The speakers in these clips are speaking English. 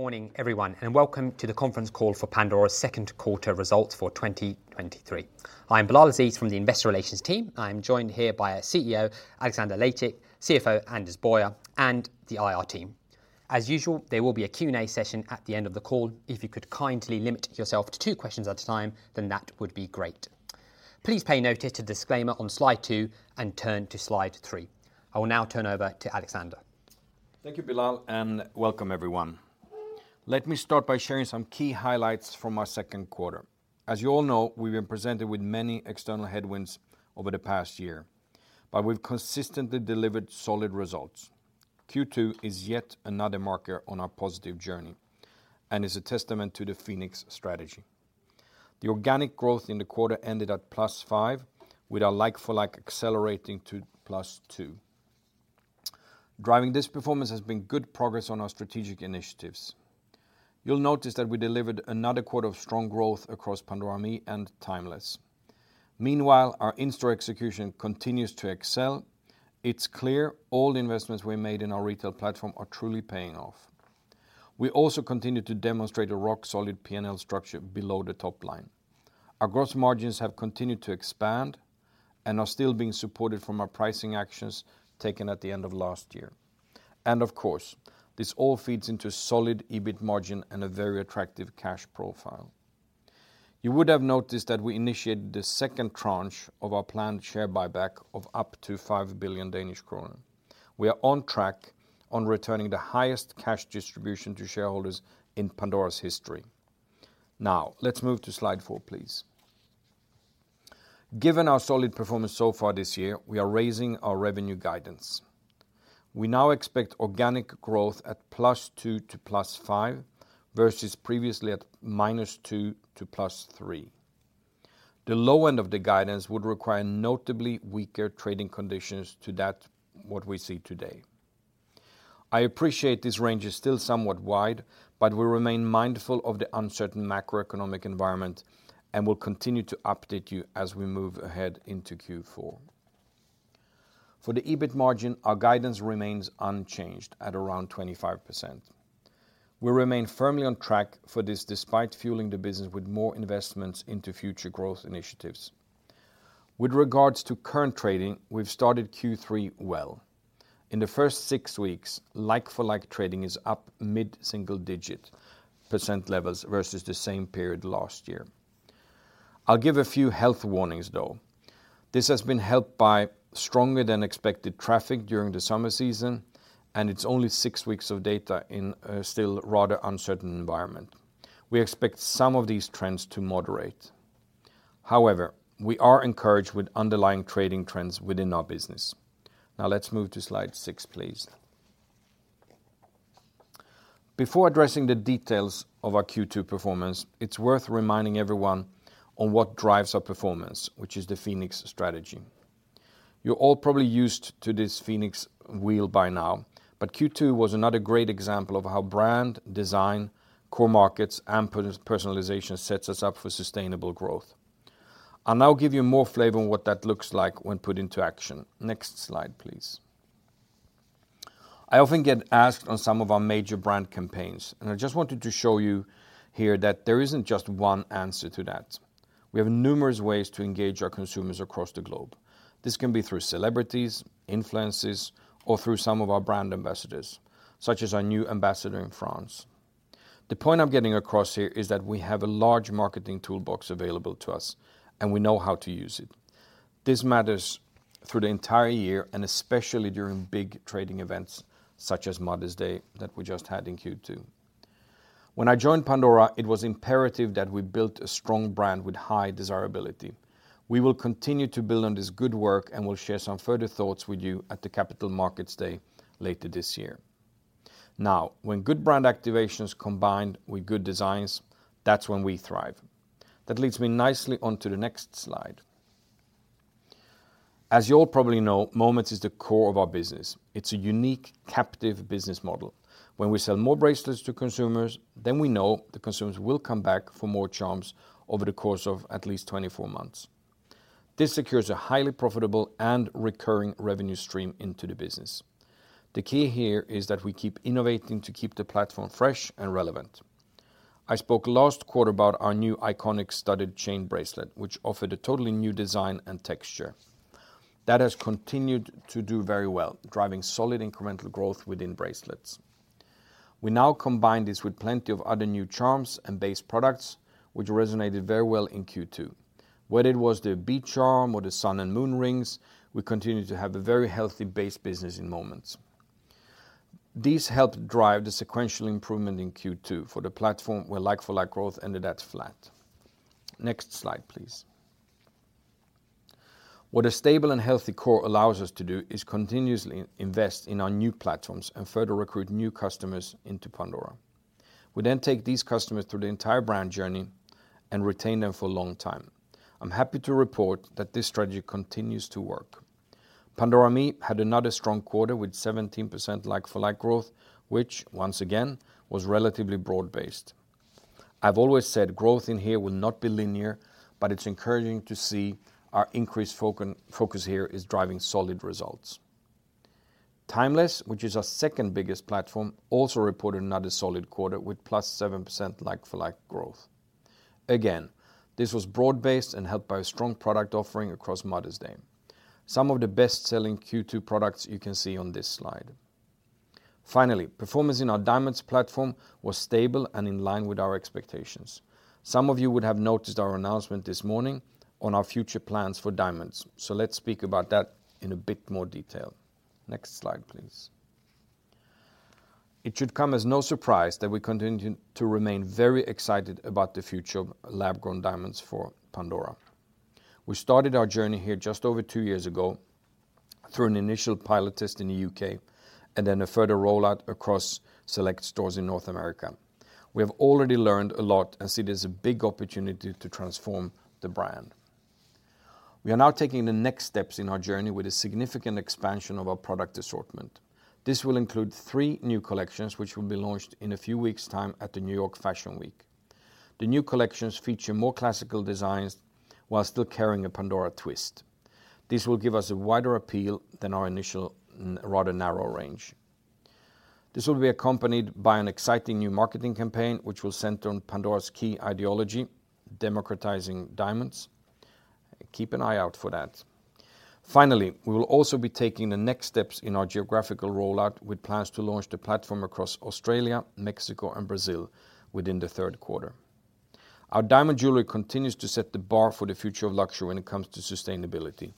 Good morning, everyone, and welcome to the conference call for Pandora's second quarter results for 2023. I am Bilal Aziz from the Investor Relations team. I am joined here by our CEO, Alexander Lacik, CFO, Anders Boyer, and the IR team. As usual, there will be a Q&A session at the end of the call. If you could kindly limit yourself to two questions at a time, then that would be great. Please pay notice to the disclaimer on slide 2 and turn to slide 3. I will now turn over to Alexander. Thank you, Bilal. Welcome everyone. Let me start by sharing some key highlights from our second quarter. As you all know, we've been presented with many external headwinds over the past year, but we've consistently delivered solid results. Q2 is yet another marker on our positive journey and is a testament to the Phoenix strategy. The organic growth in the quarter ended at +5%, with our like-for-like accelerating to +2%. Driving this performance has been good progress on our strategic initiatives. You'll notice that we delivered another quarter of strong growth across Pandora ME and Timeless. Meanwhile, our in-store execution continues to excel. It's clear all the investments we made in our retail platform are truly paying off. We also continue to demonstrate a rock-solid P&L structure below the top line. Our gross margins have continued to expand and are still being supported from our pricing actions taken at the end of last year. Of course, this all feeds into a solid EBIT margin and a very attractive cash profile. You would have noticed that we initiated the second tranche of our planned share buyback of up to 5 billion Danish kroner. We are on track on returning the highest cash distribution to shareholders in Pandora's history. Now, let's move to slide 4, please. Given our solid performance so far this year, we are raising our revenue guidance. We now expect organic growth at +2% to +5%, versus previously at -2% to +3%. The low end of the guidance would require notably weaker trading conditions to that, what we see today. I appreciate this range is still somewhat wide. We remain mindful of the uncertain macroeconomic environment and will continue to update you as we move ahead into Q4. For the EBIT margin, our guidance remains unchanged at around 25%. We remain firmly on track for this, despite fueling the business with more investments into future growth initiatives. With regards to current trading, we've started Q3 well. In the first six weeks, like-for-like trading is up mid-single-digit percent levels versus the same period last year. I'll give a few health warnings, though. This has been helped by stronger than expected traffic during the summer season, and it's only six weeks of data in a still rather uncertain environment. We expect some of these trends to moderate. However, we are encouraged with underlying trading trends within our business. Now, let's move to slide 6, please. Before addressing the details of our Q2 performance, it's worth reminding everyone on what drives our performance, which is the Phoenix strategy. You're all probably used to this Phoenix wheel by now, Q2 was another great example of how brand, design, core markets, and personalization sets us up for sustainable growth. I'll now give you more flavor on what that looks like when put into action. Next slide, please. I often get asked on some of our major brand campaigns, I just wanted to show you here that there isn't just one answer to that. We have numerous ways to engage our consumers across the globe. This can be through celebrities, influencers, or through some of our brand ambassadors, such as our new ambassador in France. The point I'm getting across here is that we have a large marketing toolbox available to us, and we know how to use it. This matters through the entire year and especially during big trading events such as Mother's Day that we just had in Q2. When I joined Pandora, it was imperative that we built a strong brand with high desirability. We will continue to build on this good work, and we'll share some further thoughts with you at the Capital Markets Day later this year. When good brand activation is combined with good designs, that's when we thrive. That leads me nicely onto the next slide. As you all probably know, Moments is the core of our business. It's a unique, captive business model. We sell more bracelets to consumers, then we know the consumers will come back for more charms over the course of at least 24 months. This secures a highly profitable and recurring revenue stream into the business. The key here is that we keep innovating to keep the platform fresh and relevant. I spoke last quarter about our new iconic studded chain bracelet, which offered a totally new design and texture. That has continued to do very well, driving solid incremental growth within bracelets. We now combine this with plenty of other new charms and base products, which resonated very well in Q2. Whether it was the beach charm or the sun and moon rings, we continued to have a very healthy base business in Moments. These helped drive the sequential improvement in Q2 for the platform, where like-for-like growth ended at flat. Next slide, please. What a stable and healthy core allows us to do is continuously invest in our new platforms and further recruit new customers into Pandora. We then take these customers through the entire brand journey and retain them for a long time. I'm happy to report that this strategy continues to work. Pandora ME had another strong quarter with 17% like-for-like growth, which once again, was relatively broad based. I've always said growth in here will not be linear, but it's encouraging to see our increased focus here is driving solid results. Timeless, which is our second biggest platform, also reported another solid quarter with +7% like-for-like growth. Again, this was broad-based and helped by a strong product offering across Mother's Day. Some of the best-selling Q2 products you can see on this slide. Finally, performance in our Diamonds platform was stable and in line with our expectations. Let's speak about that in a bit more detail. Next slide, please. It should come as no surprise that we continue to remain very excited about the future of lab-grown diamonds for Pandora. We started our journey here just over two years ago through an initial pilot test in the U.K., then a further rollout across select stores in North America. We have already learned a lot and see there's a big opportunity to transform the brand. We are now taking the next steps in our journey with a significant expansion of our product assortment. This will include three new collections, which will be launched in a few weeks' time at the New York Fashion Week. The new collections feature more classical designs, while still carrying a Pandora twist. This will give us a wider appeal than our initial, rather narrow range. This will be accompanied by an exciting new marketing campaign, which will center on Pandora's key ideology, democratizing diamonds. Keep an eye out for that. Finally, we will also be taking the next steps in our geographical rollout, with plans to launch the platform across Australia, Mexico and Brazil within the third quarter. Our diamond jewelry continues to set the bar for the future of luxury when it comes to sustainability.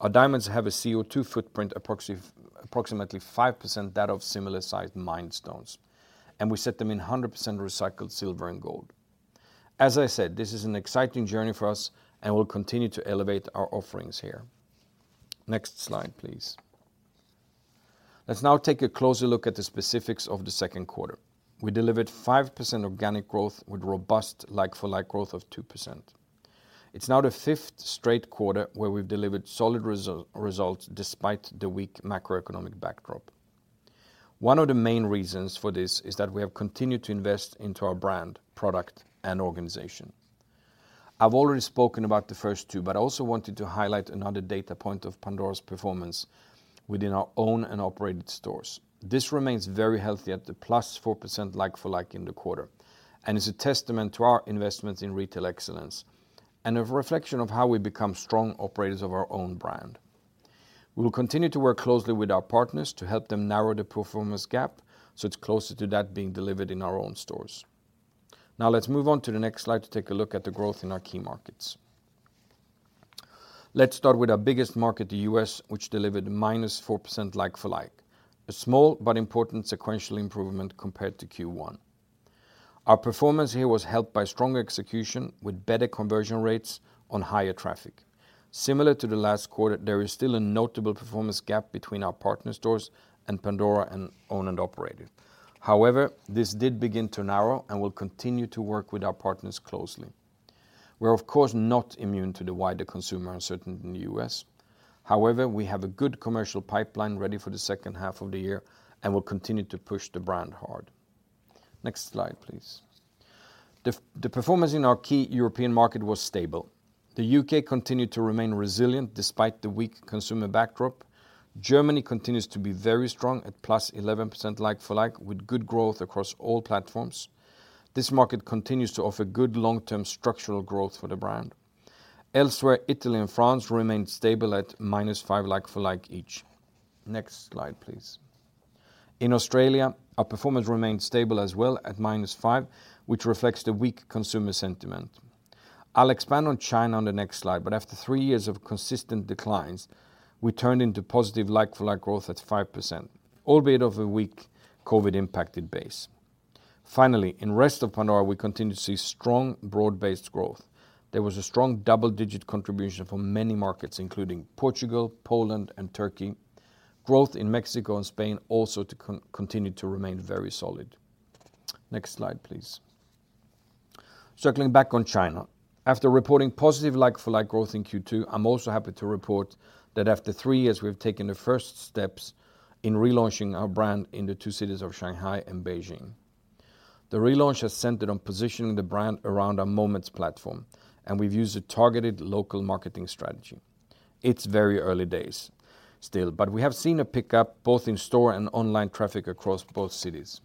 Our diamonds have a CO2 footprint approximately 5% that of similar-sized mined stones, and we set them in 100% recycled silver and gold. As I said, this is an exciting journey for us, we'll continue to elevate our offerings here. Next slide, please. Let's now take a closer look at the specifics of the second quarter. We delivered 5% organic growth with robust like-for-like growth of 2%. It's now the fifth straight quarter where we've delivered solid results despite the weak macroeconomic backdrop. One of the main reasons for this is that we have continued to invest into our brand, product, and organization. I've already spoken about the first two, but I also wanted to highlight another data point of Pandora's performance within our owned and operated stores. This remains very healthy at the +4% like-for-like in the quarter, and is a testament to our investments in retail excellence, and a reflection of how we've become strong operators of our own brand. We will continue to work closely with our partners to help them narrow the performance gap, so it's closer to that being delivered in our own stores. Now, let's move on to the next slide to take a look at the growth in our key markets. Let's start with our biggest market, the U.S., which delivered -4% like-for-like. A small but important sequential improvement compared to Q1. Our performance here was helped by strong execution with better conversion rates on higher traffic. Similar to the last quarter, there is still a notable performance gap between our partner stores and Pandora and owned and operated. However, this did begin to narrow, and we'll continue to work with our partners closely. We're of course, not immune to the wider consumer uncertainty in the U.S. However, we have a good commercial pipeline ready for the second half of the year, and we'll continue to push the brand hard. Next slide, please. The performance in our key European market was stable. The U.K. continued to remain resilient despite the weak consumer backdrop. Germany continues to be very strong at +11% like-for-like, with good growth across all platforms. This market continues to offer good long-term structural growth for the brand. Elsewhere, Italy and France remained stable at -5 like-for-like each. Next slide, please. In Australia, our performance remained stable as well at -5, which reflects the weak consumer sentiment. After three years of consistent declines, we turned into positive like-for-like growth at 5%, albeit of a weak COVID-19-impacted base. Finally, in Rest of Pandora, we continue to see strong, broad-based growth. There was a strong double-digit contribution from many markets, including Portugal, Poland, and Turkey. Growth in Mexico and Spain also continue to remain very solid. Next slide, please. Circling back on China. After reporting positive like-for-like growth in Q2, I'm also happy to report that after three years, we've taken the first steps in relaunching our brand in the two cities of Shanghai and Beijing. The relaunch has centered on positioning the brand around our Moments platform, and we've used a targeted local marketing strategy. It's very early days still, but we have seen a pickup, both in store and online traffic across both cities.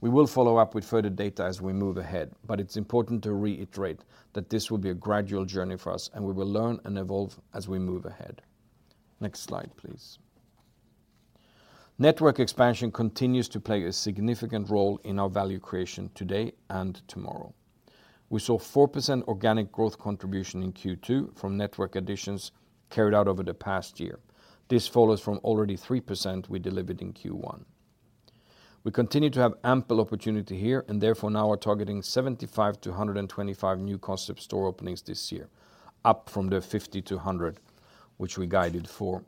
We will follow up with further data as we move ahead, but it's important to reiterate that this will be a gradual journey for us, and we will learn and evolve as we move ahead. Next slide, please. Network expansion continues to play a significant role in our value creation today and tomorrow. We saw 4% organic growth contribution in Q2 from network additions carried out over the past year. This follows from already 3% we delivered in Q1. We continue to have ample opportunity here, and therefore now are targeting 75-125 new concept store openings this year, up from the 50-100, which we guided for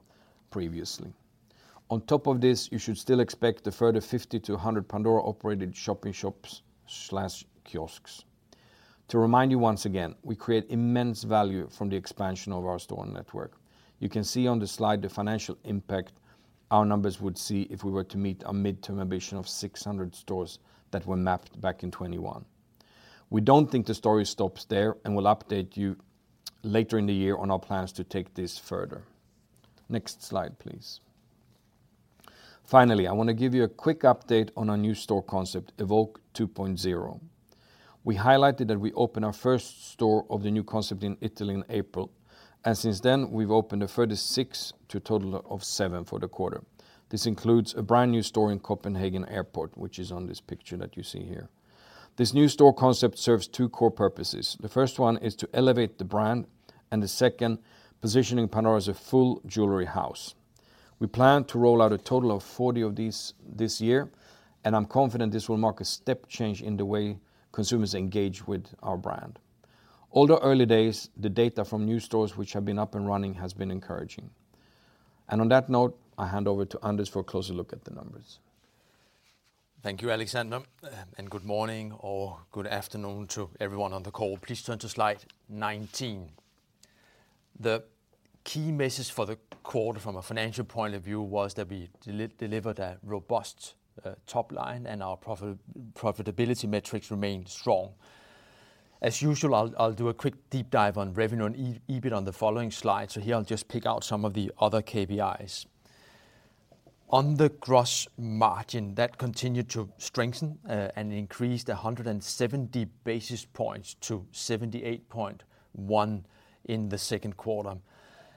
previously. On top of this, you should still expect a further 50-100 Pandora-operated shop-in-shops/kiosks. To remind you once again, we create immense value from the expansion of our store network. You can see on the slide the financial impact our numbers would see if we were to meet our midterm ambition of 600 stores that were mapped back in 2021. We don't think the story stops there. We'll update you later in the year on our plans to take this further. Next slide, please. Finally, I want to give you a quick update on our new store concept, Evoke 2.0. We highlighted that we opened our 1st store of the new concept in Italy in April, and since then, we've opened a further six to a total of seven for the quarter. This includes a brand-new store in Copenhagen Airport, which is on this picture that you see here. This new store concept serves two core purposes. The 1st one is to elevate the brand, and the 2nd, positioning Pandora as a full jewelry house. We plan to roll out a total of 40 of these this year, and I'm confident this will mark a step change in the way consumers engage with our brand. Although early days, the data from new stores which have been up and running has been encouraging. On that note, I hand over to Anders for a closer look at the numbers. Thank you, Alexander, and good morning or good afternoon to everyone on the call. Please turn to slide 19. The key message for the quarter from a financial point of view was that we delivered a robust, top line, our profitability metrics remained strong. As usual, I'll do a quick deep dive on revenue and EBIT on the following slide, so here I'll just pick out some of the other KPIs. On the gross margin, that continued to strengthen, and increased 170 basis points to 78.1% in the second quarter.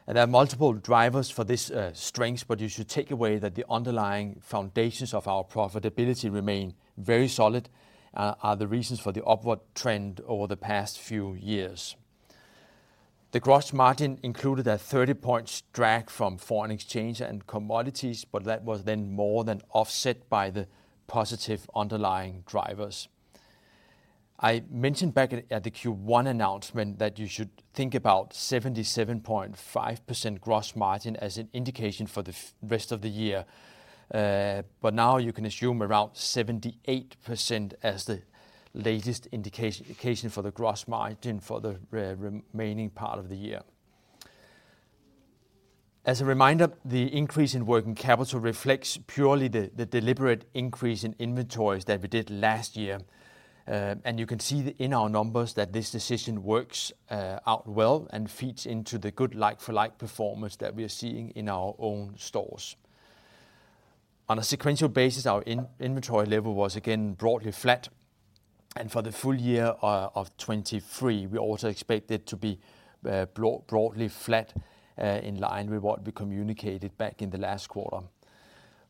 There are multiple drivers for this, strength, but you should take away that the underlying foundations of our profitability remain very solid, are the reasons for the upward trend over the past few years. The gross margin included a 30 points drag from foreign exchange and commodities, but that was then more than offset by the positive underlying drivers. I mentioned back at the Q1 announcement that you should think about 77.5% gross margin as an indication for the rest of the year. Now you can assume around 78% as the latest indication, indication for the gross margin for the remaining part of the year. As a reminder, the increase in working capital reflects purely the, the deliberate increase in inventories that we did last year, and you can see in our numbers that this decision works out well and feeds into the good like-for-like performance that we are seeing in our own stores. On a sequential basis, our inventory level was again broadly flat, and for the full year 2023, we also expect it to be broadly flat, in line with what we communicated back in the last quarter.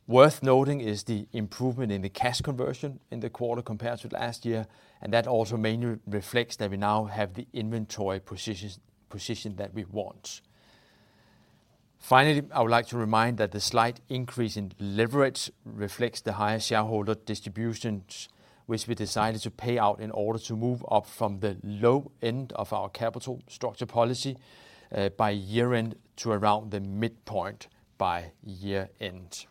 Worth noting is the improvement in the cash conversion in the quarter compared to last year, and that also mainly reflects that we now have the inventory position that we want. Finally, I would like to remind that the slight increase in leverage reflects the higher shareholder distributions, which we decided to pay out in order to move up from the low end of our capital structure policy by year-end to around the midpoint by year-end.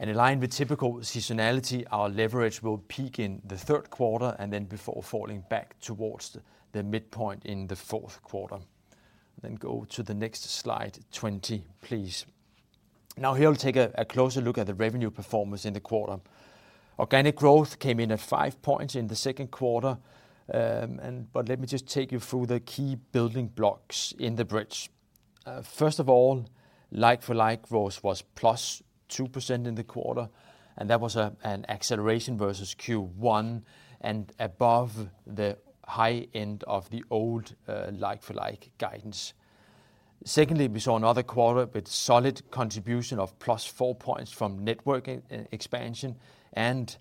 In line with typical seasonality, our leverage will peak in Q3 and then before falling back towards the midpoint in the fourth quarter. Go to the next slide, 20, please. Now, here we'll take a closer look at the revenue performance in the quarter. Organic growth came in at five points in the second quarter, but let me just take you through the key building blocks in the bridge. First of all, like-for-like growth was +2% in the quarter, and that was an acceleration versus Q1 and above the high end of the old like-for-like guidance. Secondly, we saw another quarter with solid contribution of +4 points from network expansion, and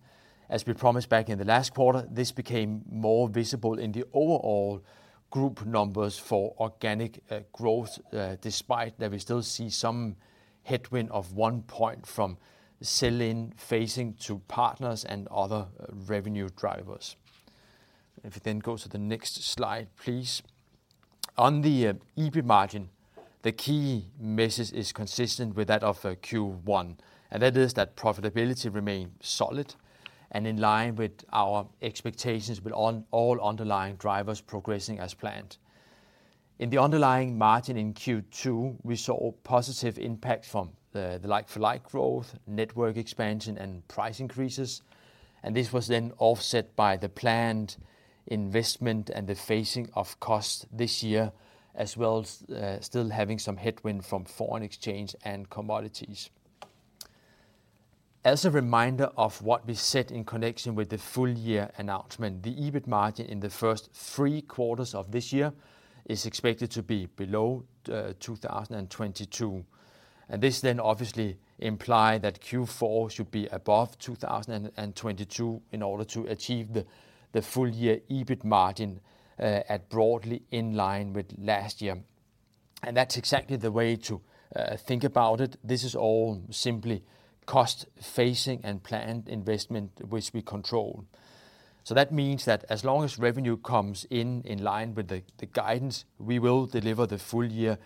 as we promised back in the last quarter, this became more visible in the overall group numbers for organic growth, despite that we still see some headwind of one point from sell-in phasing to partners and other revenue drivers. Go to the next slide, please. On the EBIT margin, the key message is consistent with that of Q1, and that is that profitability remained solid and in line with our expectations, with all underlying drivers progressing as planned. In the underlying margin in Q2, we saw a positive impact from the like-for-like growth, network expansion, and price increases, and this was then offset by the planned investment and the phasing of costs this year, as well as still having some headwind from foreign exchange and commodities. As a reminder of what we said in connection with the full year announcement, the EBIT margin in the first three quarters of this year is expected to be below 2022. This then obviously imply that Q4 should be above 2022 in order to achieve the full year EBIT margin, at broadly in line with last year. That's exactly the way to think about it. This is all simply cost phasing and planned investment, which we control. That means that as long as revenue comes in in line with the guidance, we will deliver the full year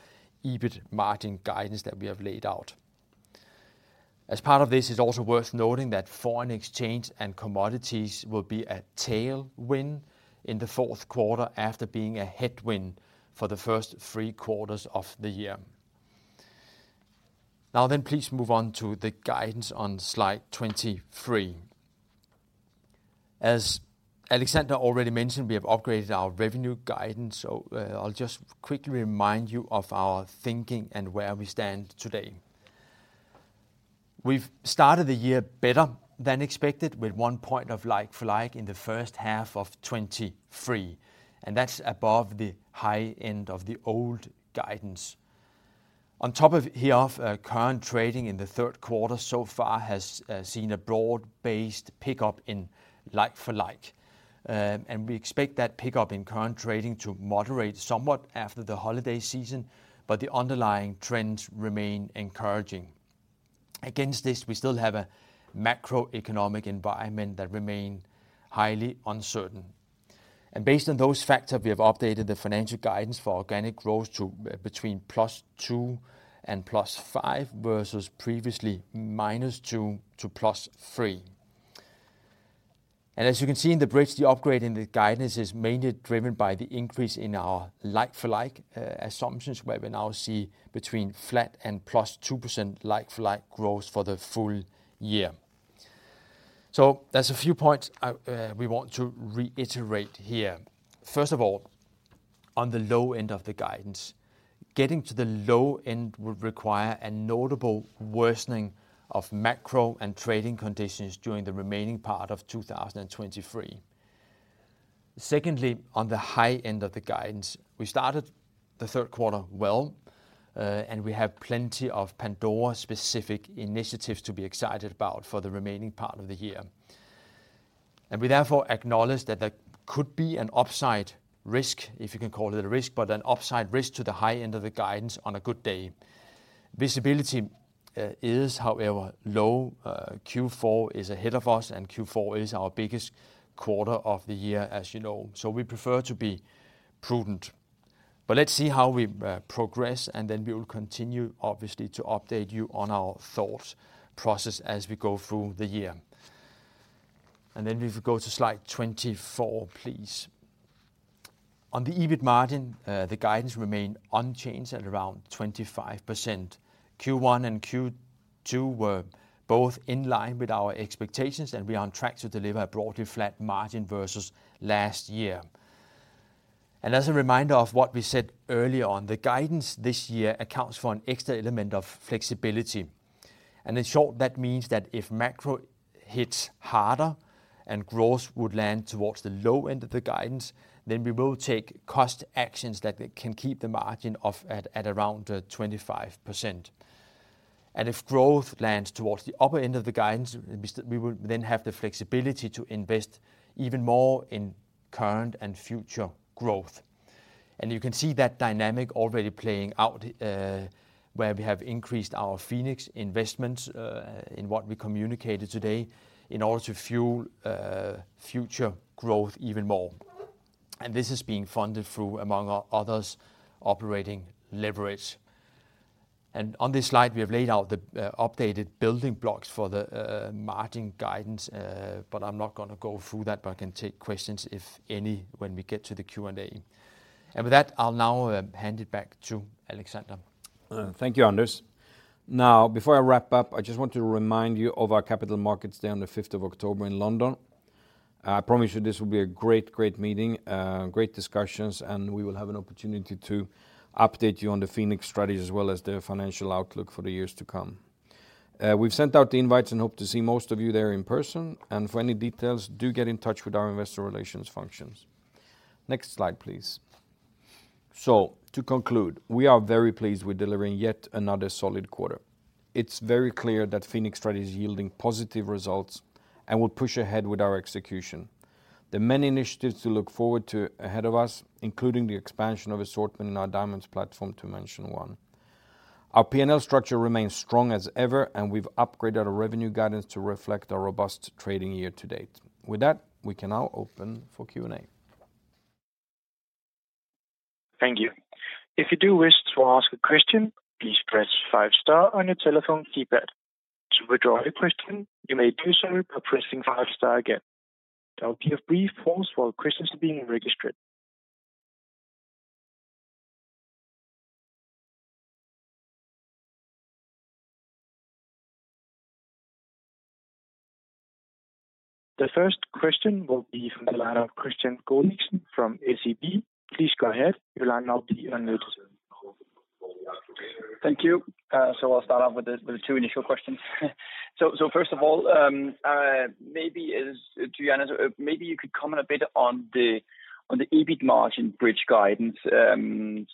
EBIT margin guidance that we have laid out. As part of this, it's also worth noting that foreign exchange and commodities will be a tailwind in the fourth quarter after being a headwind for the first three quarters of the year. Now, please move on to the guidance on slide 23. As Alexander already mentioned, we have upgraded our revenue guidance. I'll just quickly remind you of our thinking and where we stand today. We've started the year better than expected, with one point of like-for-like in the first half of 2023, that's above the high end of the old guidance. On top of here, current trading in the third quarter so far has seen a broad-based pickup in like-for-like. We expect that pickup in current trading to moderate somewhat after the holiday season, the underlying trends remain encouraging. Against this, we still have a macroeconomic environment that remain highly uncertain. Based on those factors, we have updated the financial guidance for organic growth to between +2% and +5%, versus previously -2% to +3%. As you can see in the bridge, the upgrade in the guidance is mainly driven by the increase in our like-for-like assumptions, where we now see between flat and +2% like-for-like growth for the full year. There's a few points we want to reiterate here. First of all, on the low end of the guidance, getting to the low end would require a notable worsening of macro and trading conditions during the remaining part of 2023. Secondly, on the high end of the guidance, we started the third quarter well, and we have plenty of Pandora-specific initiatives to be excited about for the remaining part of the year. We therefore acknowledge that there could be an upside risk, if you can call it a risk, but an upside risk to the high end of the guidance on a good day. Visibility is, however, low. Q4 is ahead of us, and Q4 is our biggest quarter of the year, as you know, so we prefer to be prudent. Let's see how we progress, and then we will continue, obviously, to update you on our thought process as we go through the year. Then if we go to slide 24, please. On the EBIT margin, the guidance remained unchanged at around 25%. Q1 and Q2 were both in line with our expectations, and we are on track to deliver a broadly flat margin versus last year. As a reminder of what we said earlier on, the guidance this year accounts for an extra element of flexibility. In short, that means that if macro hits harder and growth would land towards the low end of the guidance, then we will take cost actions that can keep the margin off at around 25%. If growth lands towards the upper end of the guidance, we will then have the flexibility to invest even more in current and future growth. You can see that dynamic already playing out, where we have increased our Phoenix investments in what we communicated today, in order to fuel future growth even more. This is being funded through, among others, operating leverage. On this slide, we have laid out the updated building blocks for the margin guidance, but I'm not gonna go through that, but I can take questions, if any, when we get to the Q&A. With that, I'll now hand it back to Alexander. Thank you, Anders. Now, before I wrap up, I just want to remind you of our Capital Markets Day on the 5th of October in London. I promise you this will be a great, great meeting, great discussions, and we will have an opportunity to update you on the Phoenix strategy, as well as the financial outlook for the years to come. We've sent out the invites and hope to see most of you there in person, and for any details, do get in touch with our investor relations functions. Next slide, please. To conclude, we are very pleased with delivering yet another solid quarter. It's very clear that Phoenix strategy is yielding positive results and will push ahead with our execution. There are many initiatives to look forward to ahead of us, including the expansion of assortment in our Diamonds platform, to mention one. Our P&L structure remains strong as ever. We've upgraded our revenue guidance to reflect our robust trading year-to-date. With that, we can now open for Q&A. Thank you. If you do wish to ask a question, please press five star on your telephone keypad. To withdraw your question, you may do so by pressing five star again. I'll give a brief pause while questions are being registered. The first question will be from the line of Christian Kjølby from SEB. Please go ahead. Your line now will be unmuted. Thank you. I'll start off with the two initial questions. First of all, maybe as to Anders, maybe you could comment a bit on the EBIT margin bridge guidance. Maybe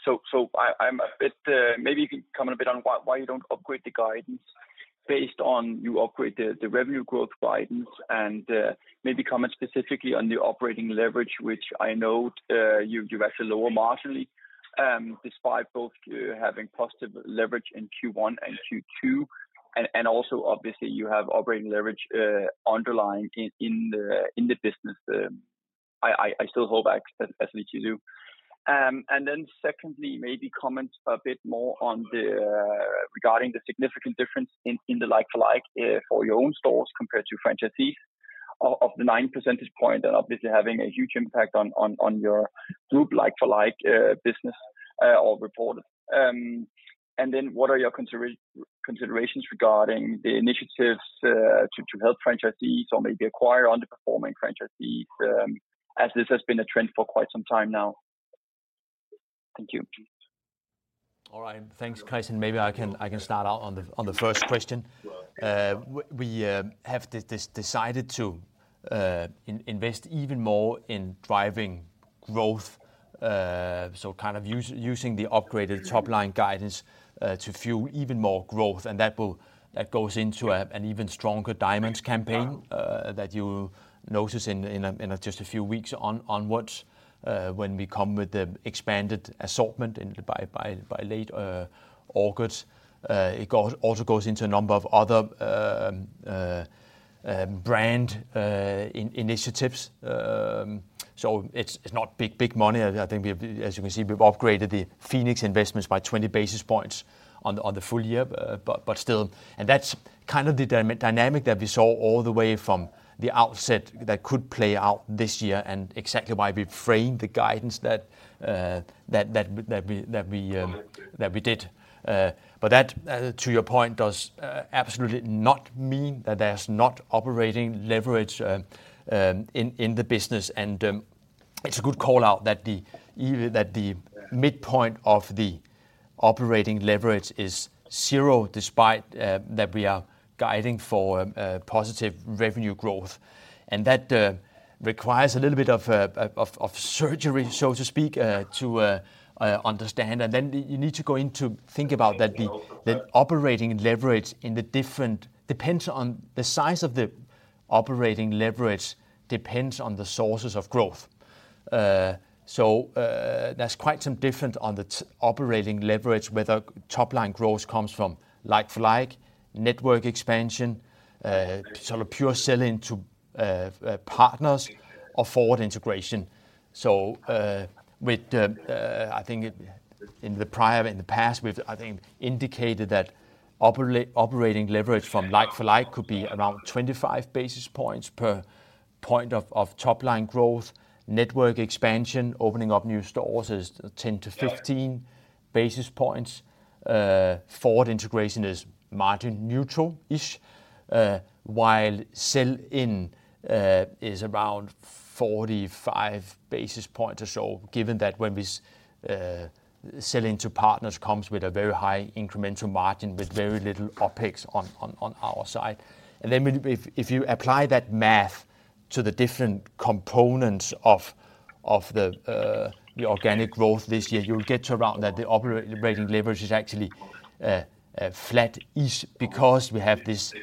you can comment a bit on why, why you don't upgrade the guidance based on you upgrade the revenue growth guidance, and maybe comment specifically on the operating leverage, which I know you, you've actually lower marginally, despite both having positive leverage in Q1 and Q2, and also obviously you have operating leverage underlying in the business? I still hold back as you do. Secondly, maybe comment a bit more on the regarding the significant difference in the like-for-like for your own stores compared to franchisees, of the 9 percentage point. Obviously having a huge impact on your group like-for-like business or report. What are your considerations regarding the initiatives to help franchisees or maybe acquire underperforming franchisees as this has been a trend for quite some time now? Thank you. All right, thanks guys, maybe I can start out on the first question. We have decided to invest even more in driving growth. Kind of using the upgraded top-line guidance to fuel even more growth, that goes into an even stronger Diamonds campaign that you'll notice in just a few weeks onwards when we come with the expanded assortment by late August. It also goes into a number of other brand initiatives. It's not big money. I think we've, as you can see, we've upgraded the Phoenix investments by 20 basis points on the full year. That's kind of the dynamic that we saw all the way from the outset that could play out this year, and exactly why we framed the guidance that we did. That, to your point, does absolutely not mean that there's not operating leverage in the business. It's a good call-out that either that the midpoint of the operating leverage is zero, despite that we are guiding for positive revenue growth. That requires a little bit of surgery, so to speak, to understand. Then you need to go into think about that the operating leverage depends on the size of the operating leverage, depends on the sources of growth. There's quite some different on the operating leverage, whether top-line growth comes from like-for-like, network expansion, sort of pure sell-in to partners or forward integration. With the, in the prior, in the past, we've indicated that operating leverage from like-for-like could be around 25 basis points per point of top-line growth. Network expansion, opening up new stores is 10-15 basis points. Forward integration is margin neutral-ish. While sell-in is around 45 basis points or so, given that when we sell-in to partners comes with a very high incremental margin, with very little OpEx on our side. If, if you apply that math to the different components of the organic growth this year, you'll get to around that the operating leverage is actually, a flat-ish, because we have this,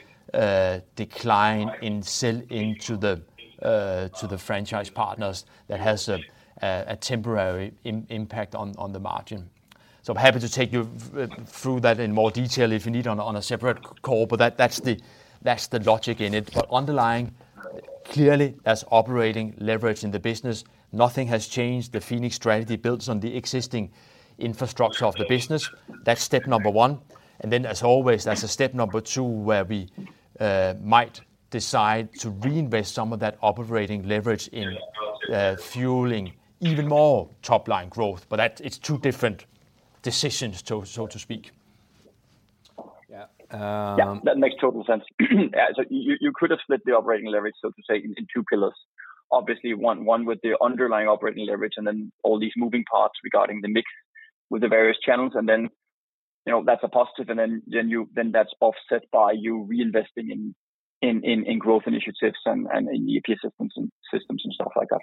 decline in sell-in to the franchise partners that has a temporary impact on the margin. I'm happy to take you through that in more detail, if you need, on a separate call, but that's the logic in it. Underlying, clearly, as operating leverage in the business, nothing has changed. The Phoenix strategy builds on the existing infrastructure of the business. That's step number one. Then, as always, there's a step number two, where we might decide to reinvest some of that operating leverage in fueling even more top-line growth, but that, it's two different decisions, so to speak. Yeah. Yeah, that makes total sense. You could have split the operating leverage, so to say, in two pillars. Obviously, one with the underlying operating leverage, then all these moving parts regarding the mix with the various channels. You know, that's a positive, then that's offset by you reinvesting in growth initiatives and in new systems and stuff like that.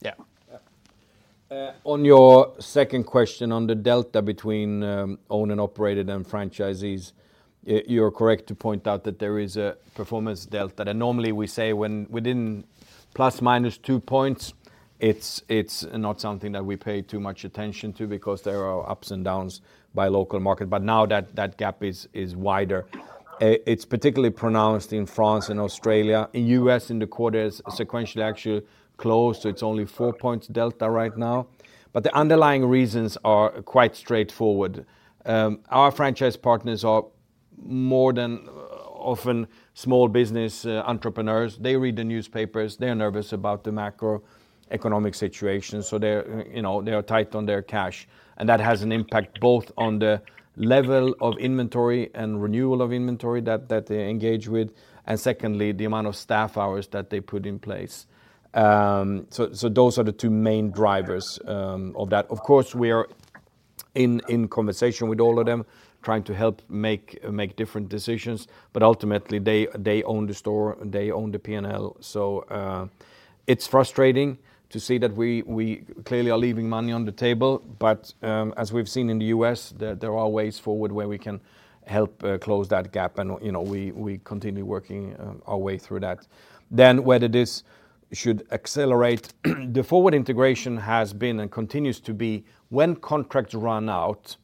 Yeah. On your second question, on the delta between O&O and franchisees, you're correct to point out that there is a performance delta. Normally, we say when within ±2 points, it's not something that we pay too much attention to, because there are ups and downs by local market. Now that that gap is wider, it's particularly pronounced in France and Australia. In U.S., in the quarter, sequentially, actually close, so it's only four points delta right now. The underlying reasons are quite straightforward. Our franchise partners are more than often small business entrepreneurs. They read the newspapers, they're nervous about the macroeconomic situation, so they're, you know, they are tight on their cash, and that has an impact both on the level of inventory and renewal of inventory that they engage with, and secondly, the amount of staff hours that they put in place. So those are the two main drivers of that. Of course, we are in conversation with all of them, trying to help make different decisions, but ultimately, they own the store, and they own the P&L. It's frustrating to see that we clearly are leaving money on the table, but as we've seen in the U.S., there are ways forward where we can help close that gap. You know, we, we continue working our way through that. Whether this should accelerate, the forward integration has been and continues to be when contracts run out.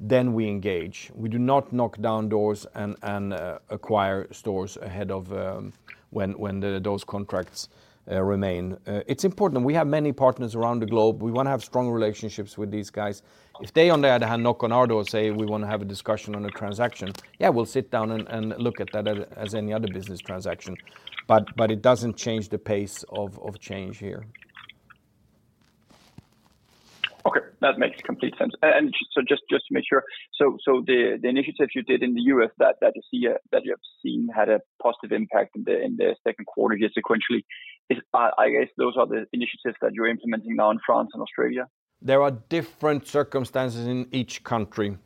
We engage. We do not knock down doors and acquire stores ahead of when those contracts remain. It's important. We have many partners around the globe. We want to have strong relationships with these guys. If they, on the other hand, knock on our door and say, "We want to have a discussion on a transaction," yeah, we'll sit down and look at that as any other business transaction, but it doesn't change the pace of change here. Okay, that makes complete sense. Just to make sure, the initiatives you did in the U.S., that you have seen had a positive impact in the second quarter year sequentially. I guess, those are the initiatives that you're implementing now in France and Australia? There are different circumstances in each country.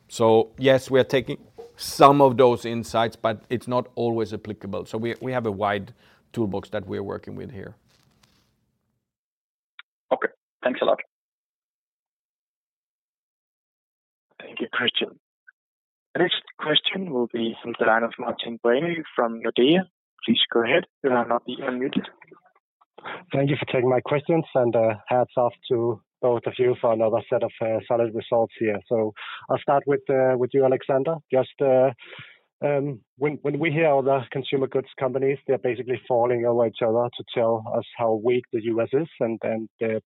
Yes, we are taking some of those insights, but it's not always applicable. We have a wide toolbox that we're working with here. Okay, thanks a lot. Thank you, Christian. The next question will be from the line of Martin Brenøe from Nordea. Please go ahead. You are now muted. Thank you for taking my questions. Hats off to both of you for another set of solid results here. I'll start with you, Alexander. When we hear other consumer goods companies, they're basically falling over each other to tell us how weak the U.S. is.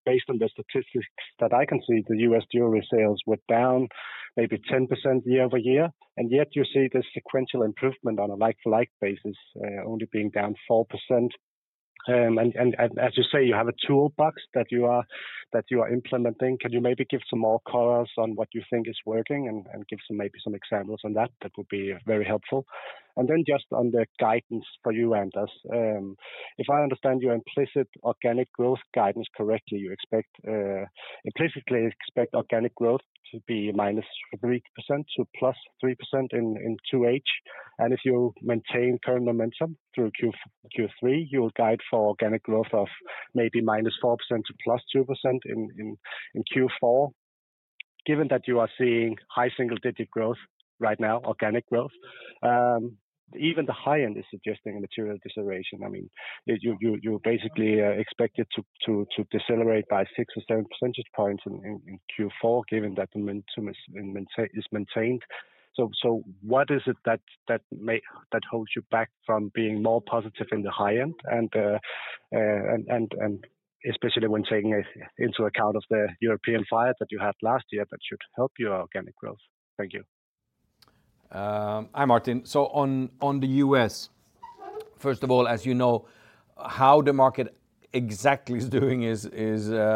Based on the statistics that I can see, the U.S. jewelry sales were down maybe 10% year-over-year, and yet you see the sequential improvement on a like-for-like basis only being down 4%. As you say, you have a toolbox that you are, that you are implementing. Can you maybe give some more colors on what you think is working and give some, maybe some examples on that? That would be very helpful. Then just on the guidance for you, Anders. If I understand your implicit organic growth guidance correctly, you expect implicitly expect organic growth to be -3% to +3% in 2H. If you maintain current momentum through Q3, you'll guide for organic growth of maybe -4% to +2% in Q4. Given that you are seeing high single-digit growth right now, organic growth, even the high end is suggesting a material deceleration. I mean, you basically are expected to decelerate by 6 or 7 percentage points in Q4, given that the momentum is maintained. What is it that holds you back from being more positive in the high end, and especially when taking it into account of the European fires that you had last year, that should help your organic growth? Thank you. Hi, Martin. On, on the U.S., first of all, as you know, how the market exactly is doing is, there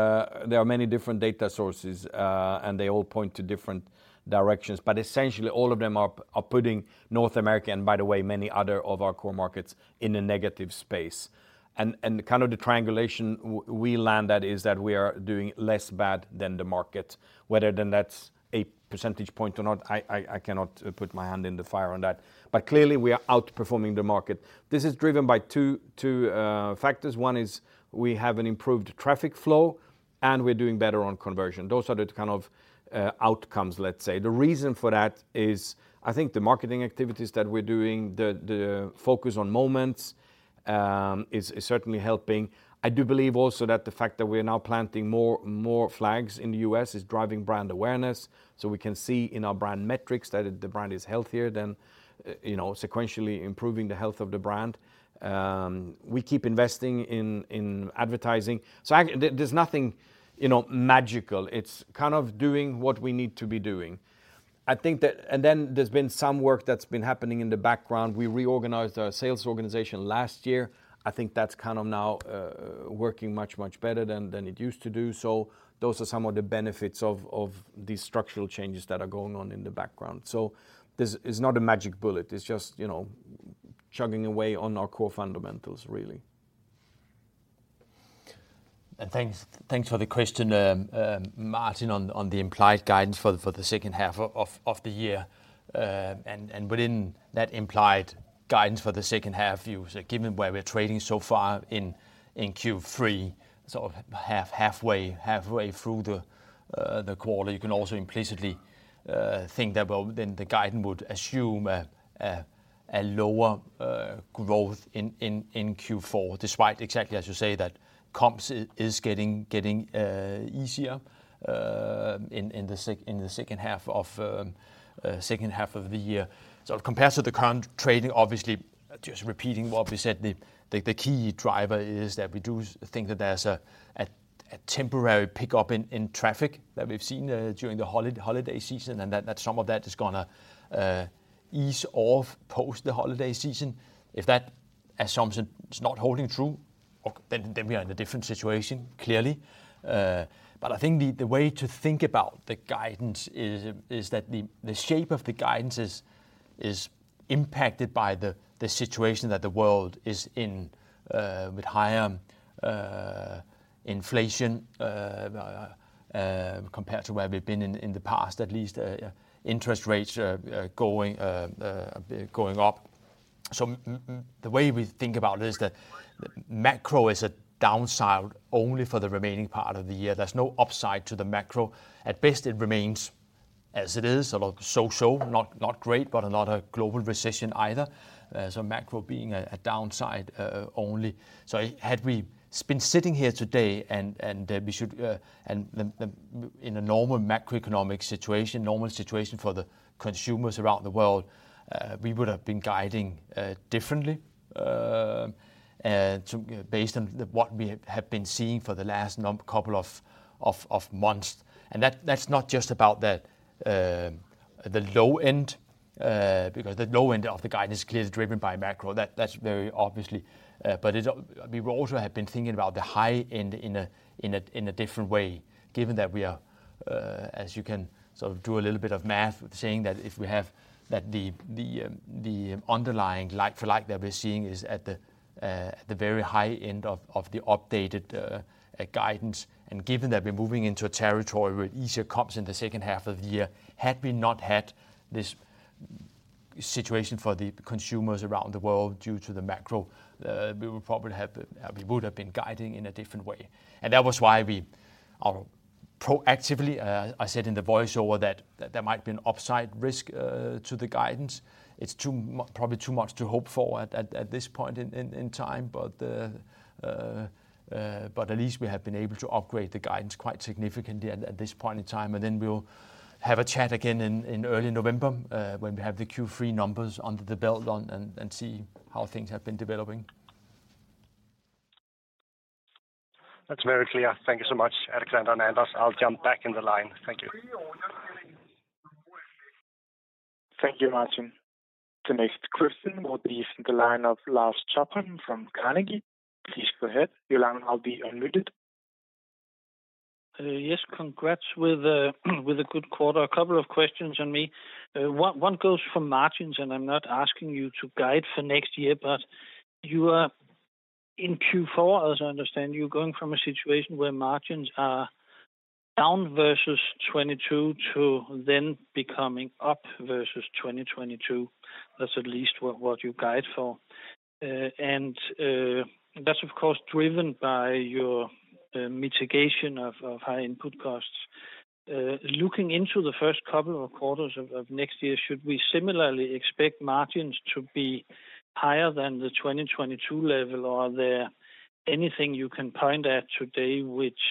are many different data sources, and they all point to different directions. Essentially, all of them are putting North America, and by the way, many other of our core markets, in a negative space. Kind of the triangulation we land at, is that we are doing less bad than the market, whether then that's a percentage point or not, I cannot put my hand in the fire on that, but clearly we are outperforming the market. This is driven by two factors. One is we have an improved traffic flow, and we're doing better on conversion. Those are the kind of, outcomes, let's say. The reason for that is, I think the marketing activities that we're doing, the focus on moments, is, is certainly helping. I do believe also that the fact that we are now planting more, more flags in the U.S. is driving brand awareness, so we can see in our brand metrics that the brand is healthier than, you know, sequentially improving the health of the brand. We keep investing in advertising. There's nothing, you know, magical. It's kind of doing what we need to be doing. I think that. Then there's been some work that's been happening in the background. We reorganized our sales organization last year. I think that's kind of now, working much, much better than, than it used to do. Those are some of the benefits of these structural changes that are going on in the background. This is not a magic bullet. It's just, you know, chugging away on our core fundamentals, really. Thanks, thanks for the question, Martin, on the implied guidance for the second half of the year. Within that implied guidance for the second half, you said, given where we're trading so far in Q3, halfway through the quarter, you can also implicitly think that, well, then the guidance would assume a lower growth in Q4, despite exactly as you say, that comps is getting easier in the second half of the year. Compared to the current trading, obviously, just repeating what we said, the key driver is that we do think that there's a temporary pickup in traffic that we've seen during the holiday season, and that some of that is gonna ease off post the holiday season. If that assumption is not holding true, then we are in a different situation, clearly. I think the way to think about the guidance is that the shape of the guidance is impacted by the situation that the world is in with higher inflation compared to where we've been in the past, at least, interest rates going up. The way we think about it is that macro is a downside only for the remaining part of the year. There's no upside to the macro. At best, it remains as it is, sort of so-so, not, not great, but not a global recession either. Macro being a downside only. Had we been sitting here today and we should and the, the, in a normal macroeconomic situation, normal situation for the consumers around the world, we would have been guiding differently. Based on the what we have, have been seeing for the last couple of months, and that's not just about the low end, because the low end of the guidance is clearly driven by macro. That's very obviously, but we also have been thinking about the high end in a different way, given that we are, as you can sort of do a little bit of math, saying that if we have the underlying like-for-like that we're seeing is at the very high end of the updated guidance. Given that we're moving into a territory where easier comps in the second half of the year, had we not had this situation for the consumers around the world due to the macro, we would probably have, we would have been guiding in a different way. That was why we are proactively, I said in the voiceover that there might be an upside risk to the guidance. It's too probably too much to hope for at this point in time, but at least we have been able to upgrade the guidance quite significantly at this point in time. Then we'll have a chat again in early November, when we have the Q3 numbers under the belt on and see how things have been developing. That's very clear. Thank you so much, Alexander and Anders. I'll jump back in the line. Thank you. Thank you, Martin. The next question will be from the line of Lars Topholm from Carnegie. Please go ahead. Your line will now be unmuted. Yes, congrats with a good quarter. A couple of questions on me. One goes from margins. I'm not asking you to guide for next year, but you are in Q4, as I understand, you're going from a situation where margins are down versus 2022 to then becoming up versus 2022. That's at least what you guide for. That's of course, driven by your mitigation of high input costs. Looking into the first couple of quarters of next year, should we similarly expect margins to be higher than the 2022 level? Are there anything you can point at today which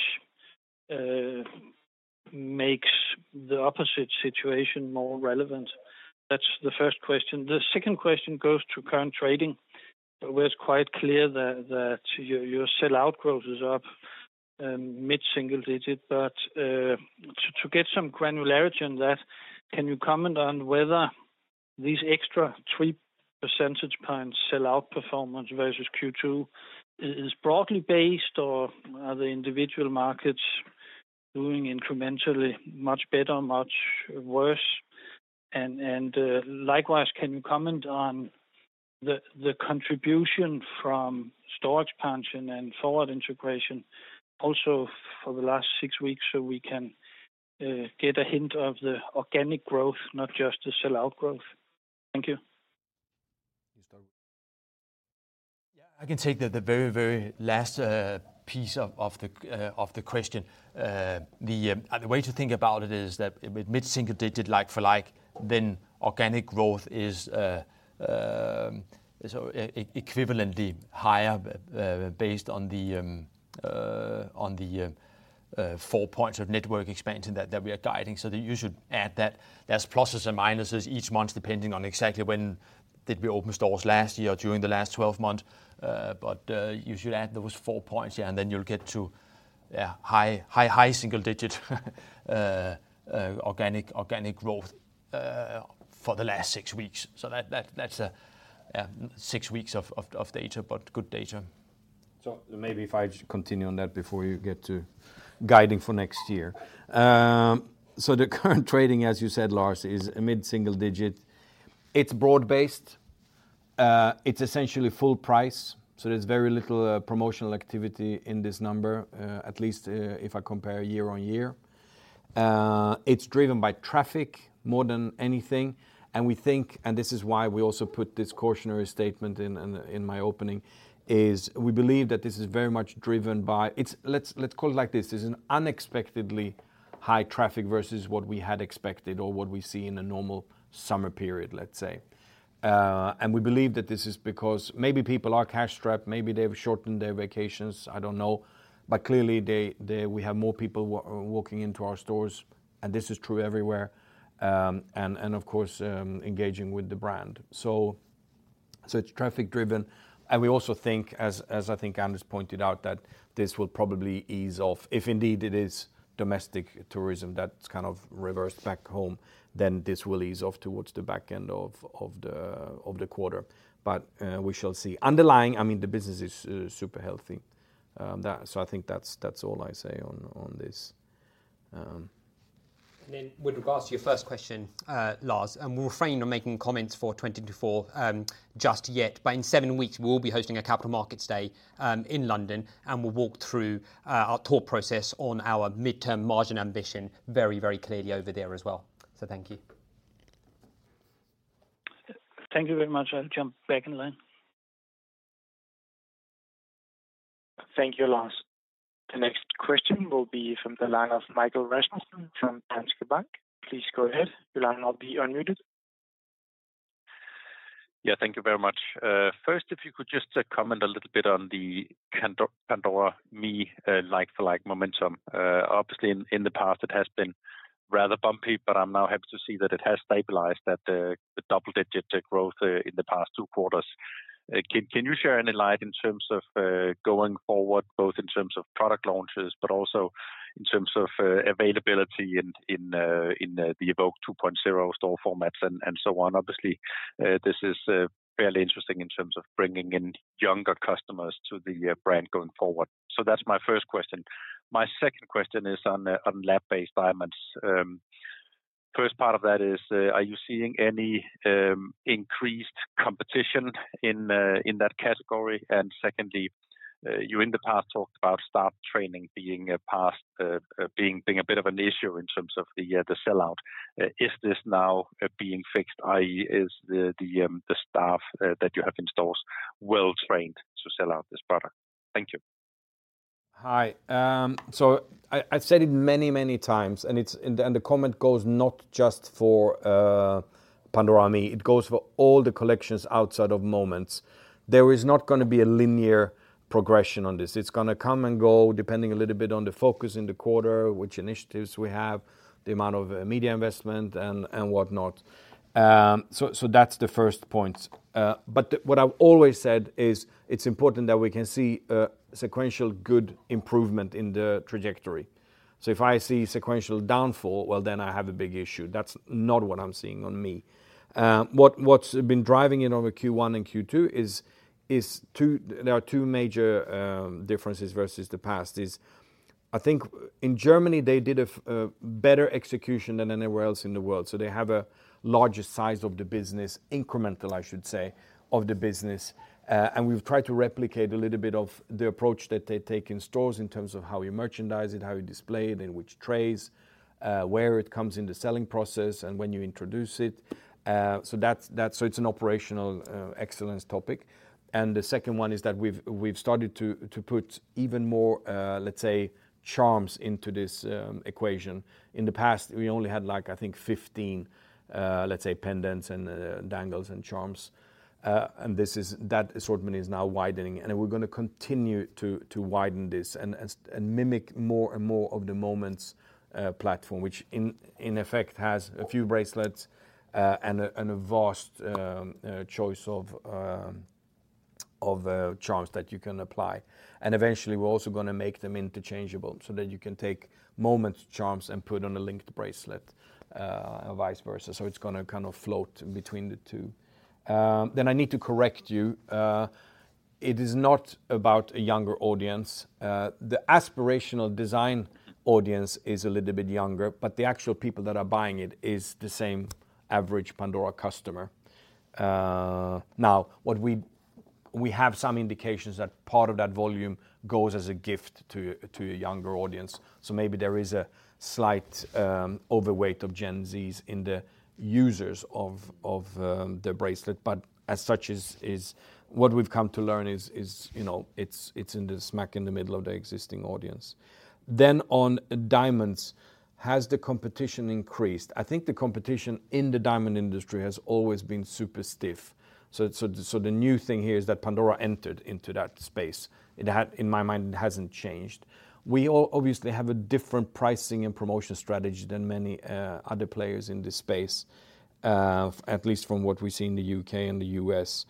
makes the opposite situation more relevant? That's the first question. The second question goes to current trading, where it's quite clear that your sellout growth is up mid-single digit. To get some granularity on that, can you comment on whether these extra 3 percentage points sell out performance versus Q2 is broadly based, or are the individual markets doing incrementally much better, much worse? Likewise, can you comment on the contribution from storage pension and forward integration also for the last six weeks, so we can get a hint of the organic growth, not just the sell out growth? Thank you. Yeah, I can take the very, very last piece of the question. The way to think about it is that with mid-single-digit like-for-like, then organic growth is so equivalently higher, based on the four points of network expansion that we are guiding. You should add that. There's pluses and minuses each month, depending on exactly when did we open stores last year during the last 12 months. But you should add those four points, and then you'll get to high single-digit organic growth for the last six weeks. That's a six weeks of data, but good data. Maybe if I continue on that before you get to guiding for next year. The current trading, as you said, Lars, is a mid-single digit. It's broad-based. It's essentially full price, there's very little promotional activity in this number, at least, if I compare year-on-year. It's driven by traffic more than anything. We think, and this is why we also put this cautionary statement in my opening, is we believe that this is very much driven by, let's call it like this, it's an unexpectedly high traffic versus what we had expected or what we see in a normal summer period, let's say. We believe that this is because maybe people are cash-strapped, maybe they've shortened their vacations, I don't know. Clearly, we have more people walking into our stores, and this is true everywhere, and of course, engaging with the brand. It's traffic driven, and we also think, as I think Anders pointed out, that this will probably ease off. If indeed it is domestic tourism that's kind of reversed back home, then this will ease off towards the back end of the quarter. We shall see. Underlying, I mean, the business is super healthy, so I think that's all I say on this. With regards to your first question, Lars, and we'll refrain on making comments for 2024 just yet, but in seven weeks, we'll be hosting a Capital Markets Day in London, and we'll walk through our thought process on our midterm margin ambition very, very clearly over there as well. Thank you. Thank you very much. I'll jump back in the line. Thank you, Lars. The next question will be from the line of Michael Rasmussen from Danske Bank. Please go ahead. Your line will now be unmuted. Yeah, thank you very much. First, if you could just comment a little bit on the Pandora Me like-for-like momentum. Obviously, in the past it has been rather bumpy, but I'm now happy to see that it has stabilized, that the, the double-digit growth in the past two quarters. Can, can you share any light in terms of going forward, both in terms of product launches, but also in terms of availability in the Evoke 2.0 store formats and so on? Obviously, this is fairly interesting in terms of bringing in younger customers to the brand going forward. That's my first question. My second question is on lab-based diamonds. First part of that is, are you seeing any increased competition in that category? Secondly, you in the past talked about staff training being a bit of an issue in terms of the sell-out. Is this now being fixed, i.e., is the staff, that you have in stores well-trained to sell out this product? Thank you. Hi. I've said it many, many times, and the comment goes not just for Pandora ME, it goes for all the collections outside of Moments. There is not gonna be a linear progression on this. It's gonna come and go, depending a little bit on the focus in the quarter, which initiatives we have, the amount of media investment, and whatnot. That's the first point. What I've always said is it's important that we can see a sequential good improvement in the trajectory. If I see sequential downfall, well, then I have a big issue. That's not what I'm seeing on ME. What, what's been driving it over Q1 and Q2, there are 2 major differences versus the past, is I think in Germany, they did a better execution than anywhere else in the world. They have a larger size of the business, incremental, I should say, of the business. We've tried to replicate a little bit of the approach that they take in stores in terms of how you merchandise it, how you display it, in which trays, where it comes in the selling process, and when you introduce it. That's, it's an operational excellence topic. The second one is that we've, we've started to put even more, let's say, charms into this equation. In the past, we only had, like, I think 15, let's say, pendants and dangles and charms. That assortment is now widening, and we're gonna continue to widen this and mimic more and more of the Moments platform, which in effect, has a few bracelets and a vast choice of charms that you can apply. Eventually, we're also gonna make them interchangeable so that you can take Moments charms and put on a linked bracelet, or vice versa. It's gonna kind of float between the two. I need to correct you. It is not about a younger audience. The aspirational design audience is a little bit younger, but the actual people that are buying it is the same average Pandora customer. Now, we have some indications that part of that volume goes as a gift to a younger audience, so maybe there is a slight overweight of Gen Z in the users of the bracelet. As such as what we've come to learn is, you know, it's in the smack in the middle of the existing audience. On diamonds, has the competition increased? I think the competition in the diamond industry has always been super stiff. So the new thing here is that Pandora entered into that space. In my mind, it hasn't changed. We all obviously have a different pricing and promotion strategy than many other players in this space, at least from what we see in the U.K. and the U.S.,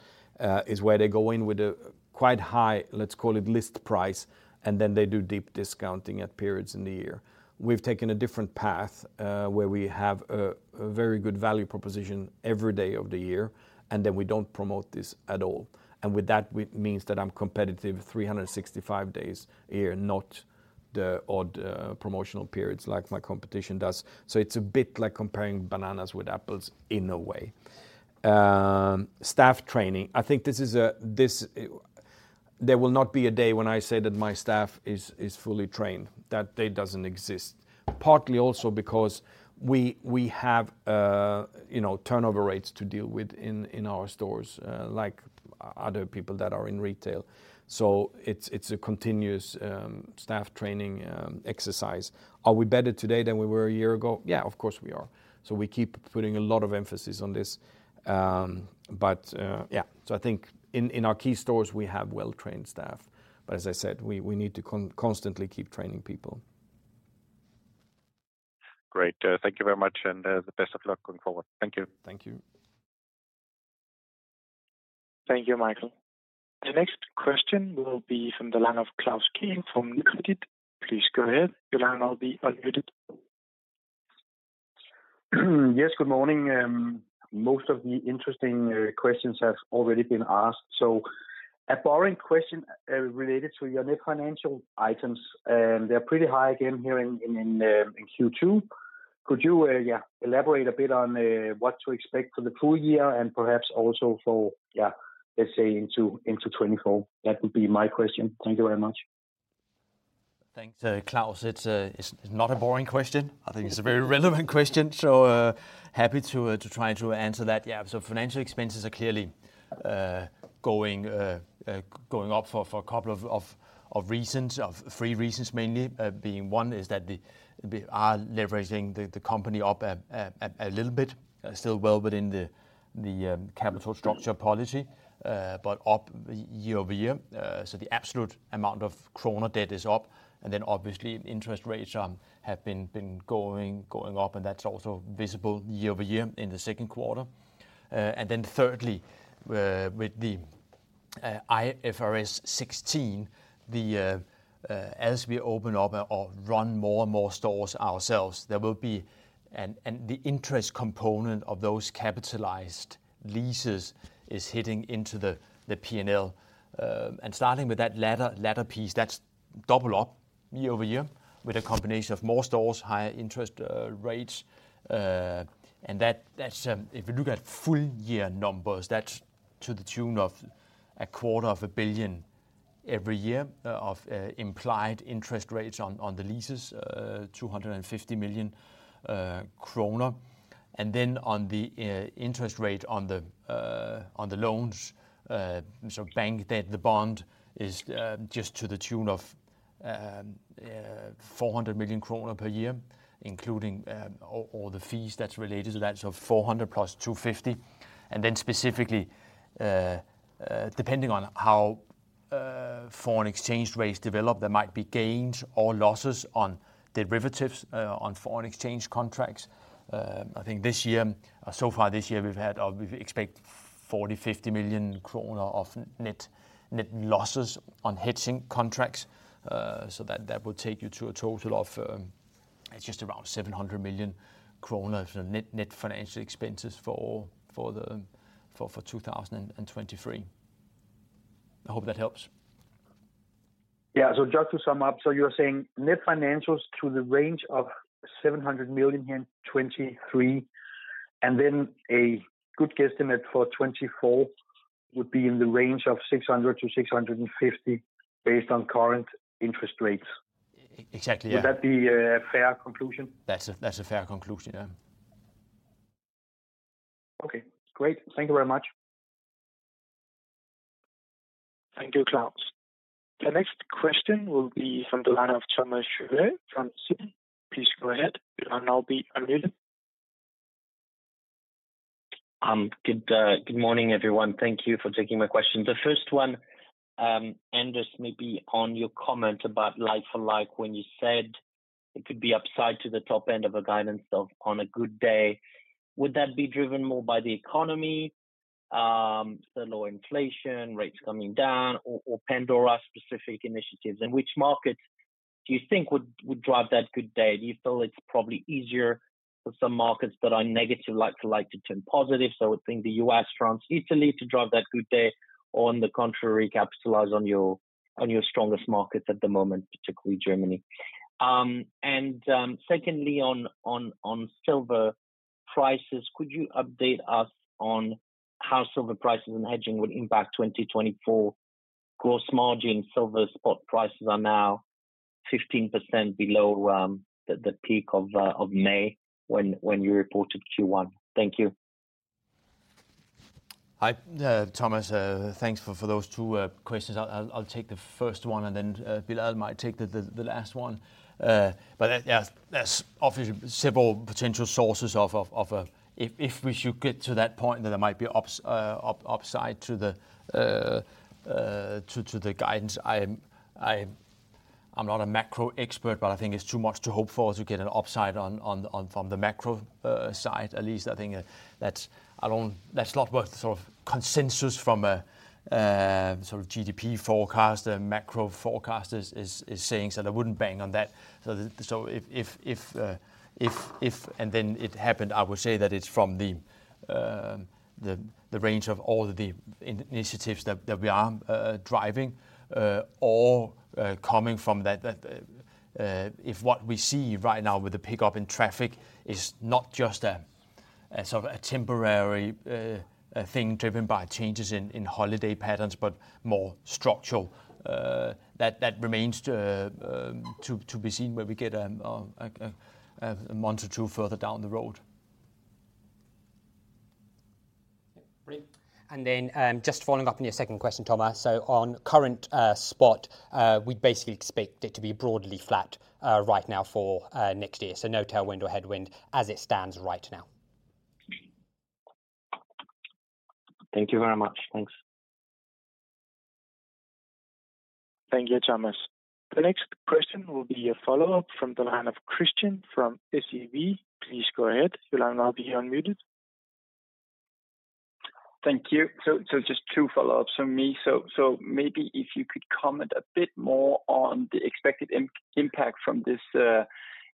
is where they go in with a quite high, let's call it list price, and then they do deep discounting at periods in the year. We've taken a different path, where we have a very good value proposition every day of the year, and then we don't promote this at all. With that, it means that I'm competitive 365 days a year, not the odd promotional periods like my competition does. It's a bit like comparing bananas with apples in a way. Staff training, there will not be a day when I say that my staff is fully trained. That day doesn't exist. Partly also because we have, you know, turnover rates to deal with in our stores, like other people that are in retail. It's a continuous staff training exercise. Are we better today than we were a year ago? Yeah, of course, we are. We keep putting a lot of emphasis on this. But, yeah. I think in our key stores, we have well-trained staff, but as I said, we need to constantly keep training people. Great. Thank you very much, and the best of luck going forward. Thank you. Thank you. Thank you, Michael. The next question will be from the line of Klaus Kehl from Nykredit. Please go ahead. Your line will now be unmuted. Yes, good morning. Most of the interesting questions have already been asked. A boring question related to your net financial items, they're pretty high again here in Q2. Could you, yeah, elaborate a bit on what to expect for the full year and perhaps also for, yeah, let's say into 2024? That would be my question. Thank you very much. Thanks, Klaus. It's, it's not a boring question. I think it's a very relevant question, so happy to to try to answer that. Financial expenses are clearly going up for a couple of reasons, of three reasons mainly. Being one, is that we are leveraging the company up a little bit. Still well within the capital structure policy, but up year-over-year. The absolute amount of kroner debt is up, and then obviously interest rates have been going up, and that's also visible year-over-year in the second quarter. Thirdly, with the IFRS 16, as we open up or run more and more stores ourselves. The interest component of those capitalized leases is hitting into the P&L. Starting with that latter piece, that's doubled up year-over-year, with a combination of more stores, higher interest rates. If you look at full year numbers, that's to the tune of 250 million every year, of implied interest rates on the leases, 250 million kroner. Then on the interest rate on the on the loans, so bank debt, the bond is just to the tune of 400 million kroner per year, including all the fees that's related to that. 400 million plus 250 million. Specifically, depending on how foreign exchange rates develop, there might be gains or losses on derivatives, on foreign exchange contracts. I think this year, so far this year, we've had, or we've expect 40 million, 50 million kroner of net losses on hedging contracts. That will take you to a total of, it's just around 700 million kroner, net financial expenses for 2023. I hope that helps. Yeah. just to sum up, so you're saying net financials to the range of 700 million in 2023, then a good guesstimate for 2024 would be in the range of 600 million-650 million, based on current interest rates? Exactly, yeah. Would that be a fair conclusion? That's a fair conclusion, yeah. Okay, great. Thank you very much. Thank you, Klaus. The next question will be from the line of Thomas Chauvet from Citi. Please go ahead. You'll now be unmuted. Good morning, everyone. Thank you for taking my question. The first one, Anders, maybe on your comment about like-for-like, when you said it could be upside to the top end of a guidance of on a good day, would that be driven more by the economy, the low inflation, rates coming down or, or Pandora-specific initiatives? In which markets do you think would drive that good day? Do you feel it's probably easier for some markets that are negative like-for-like to turn positive, so I would think the U.S., France, Italy, to drive that good day, or on the contrary, capitalize on your strongest markets at the moment, particularly Germany? Secondly, on silver prices, could you update us on how silver prices and hedging would impact 2024 gross margin? Silver spot prices are now 15% below, the peak of May, when you reported Q1. Thank you. Hi, Thomas, thanks for, for those two questions. I'll take the first one, then Bilal might take the, the, the last one. Yeah, there's obviously several potential sources of a, if we should get to that point, then there might be upside to the guidance. I'm not a macro expert, but I think it's too much to hope for to get an upside on from the macro side. At least I think that's along, that's not what the sort of consensus from a, sort of GDP forecast and macro forecast is saying, I wouldn't bank on that. The, so and then it happened, I would say that it's from the range of all the initiatives that we are driving, or, coming from that. If what we see right now with the pickup in traffic is not just a sort of a temporary thing driven by changes in holiday patterns, but more structural, that remains to be seen when we get a month or two further down the road. Great. Just following up on your second question, Thomas, on current spot, we'd basically expect it to be broadly flat right now for next year. No tailwind or headwind as it stands right now. Thank you very much. Thanks. Thank you, Thomas. The next question will be a follow-up from the line of Christian from SEB. Please go ahead. Your line will now be unmuted. Thank you. So just two follow-ups from me. So maybe if you could comment a bit more on the expected impact from this,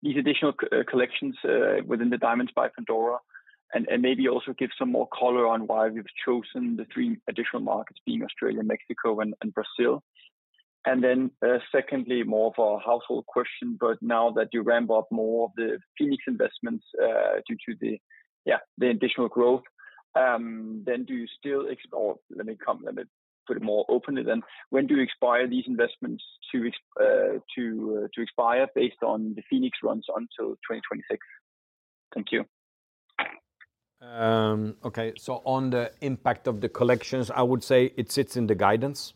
these additional collections within the Diamonds by Pandora, and maybe also give some more color on why we've chosen the three additional markets, being Australia, Mexico, and Brazil. Then secondly, more of a household question, but now that you ramp up more of the Phoenix investments due to the additional growth, then do you still or let me come, let me put it more openly then. When do you expire these investments to expire based on the Phoenix runs until 2026? Thank you. Okay, on the impact of the collections, I would say it sits in the guidance.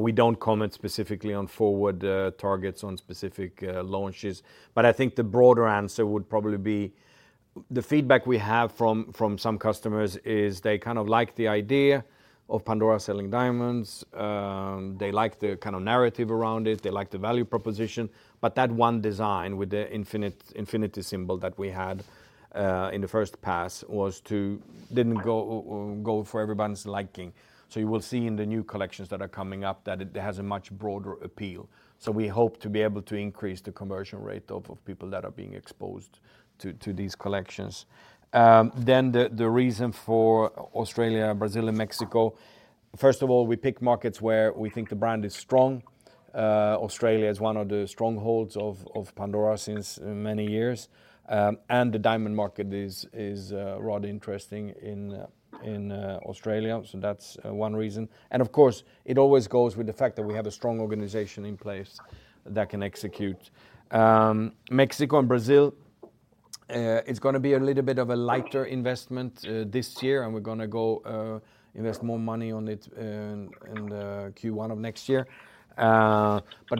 We don't comment specifically on forward targets, on specific launches, but I think the broader answer would probably be the feedback we have from some customers is they kind of like the idea of Pandora selling diamonds. They like the kind of narrative around it. They like the value proposition, but that one design with the infinity symbol that we had in the first pass didn't go for everyone's liking. You will see in the new collections that are coming up, that it has a much broader appeal. We hope to be able to increase the conversion rate of people that are being exposed to these collections. The reason for Australia, Brazil, and Mexico, first of all, we pick markets where we think the brand is strong. Australia is one of the strongholds of Pandora since many years. And the diamond market is rather interesting in Australia. That's one reason. And of course, it always goes with the fact that we have a strong organization in place that can execute. Mexico and Brazil, it's gonna be a little bit of a lighter investment this year, and we're gonna go invest more money on it in the Q1 of next year.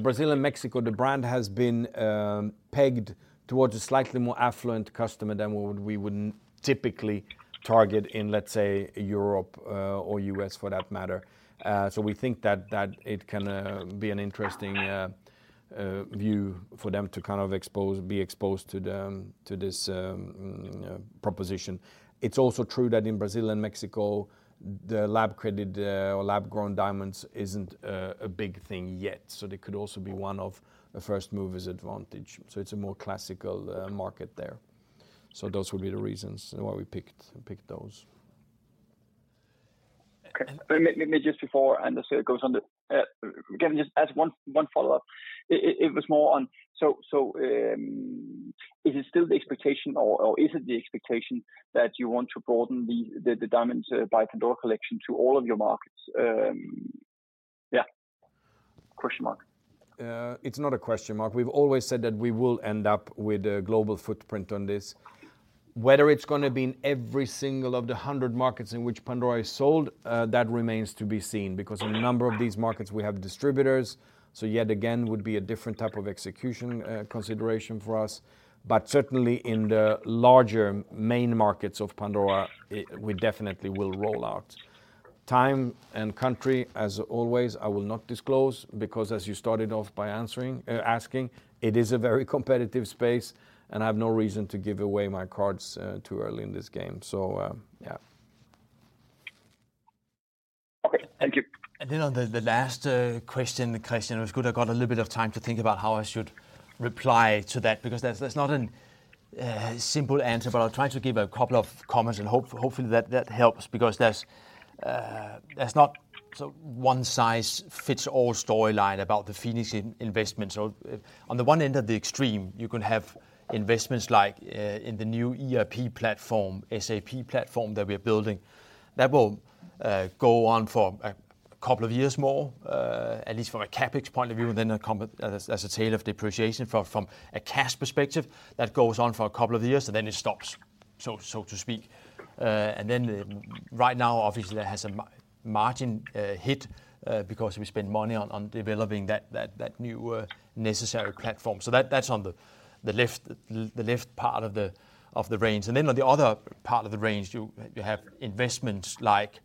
Brazil and Mexico, the brand has been pegged towards a slightly more affluent customer than we would, we would typically target in, let's say, Europe, or U.S., for that matter. We think that it can be an interesting view for them to kind of be exposed to the to this proposition. It's also true that in Brazil and Mexico, the lab-created or lab-grown diamonds isn't a big thing yet. They could also be one of the first movers advantage. It's a more classical market there. Those would be the reasons why we picked those. Okay. Let me just before Anders goes on the, can I just ask one follow-up? It was more on, so, so, is it still the expectation or is it the expectation that you want to broaden the Diamonds by Pandora collection to all of your markets? Yeah, question mark. It's not a question mark. We've always said that we will end up with a global footprint on this. Whether it's gonna be in every single of the 100 markets in which Pandora is sold, that remains to be seen, because in a number of these markets, we have distributors, so yet again, would be a different type of execution, consideration for us. Certainly in the larger main markets of Pandora, we definitely will roll out. Time and country, as always, I will not disclose, because as you started off by answering, asking, it is a very competitive space, and I have no reason to give away my cards too early in this game. Okay, thank you. Then on the last question, Christian, it was good. I got a little bit of time to think about how I should reply to that, because that's not a simple answer, but I'll try to give a couple of comments, and hopefully, that helps. Because there's not so one-size-fits-all storyline about the Phoenix investment. On the one end of the extreme, you can have investments like in the new ERP platform, SAP platform that we are building. That will go on for a couple of years more, at least from a CapEx point of view, then as a tail of depreciation from a cash perspective, that goes on for a couple of years, and then it stops, so to speak. Right now, obviously, that has a margin hit, because we spend money on developing that new, necessary platform. That's on the left part of the range. Then on the other part of the range, you, you have investments like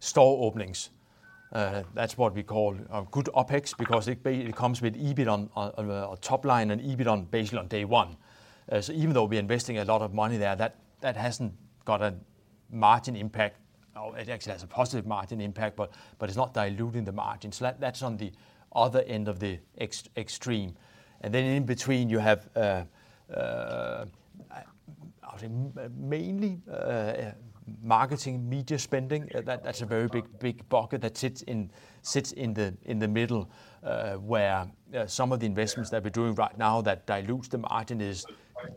store openings. That's what we call a good OpEx, because it comes with EBIT on a top line and EBIT on basically on day one. Even though we're investing a lot of money there, that hasn't got a margin impact, or it actually has a positive margin impact, but it's not diluting the margin. That's on the other end of the extreme. Then in between, you have, I would say mainly, marketing, media spending. That's a very big bucket that sits in, sits in the middle, where some of the investments that we're doing right now that dilutes the margin is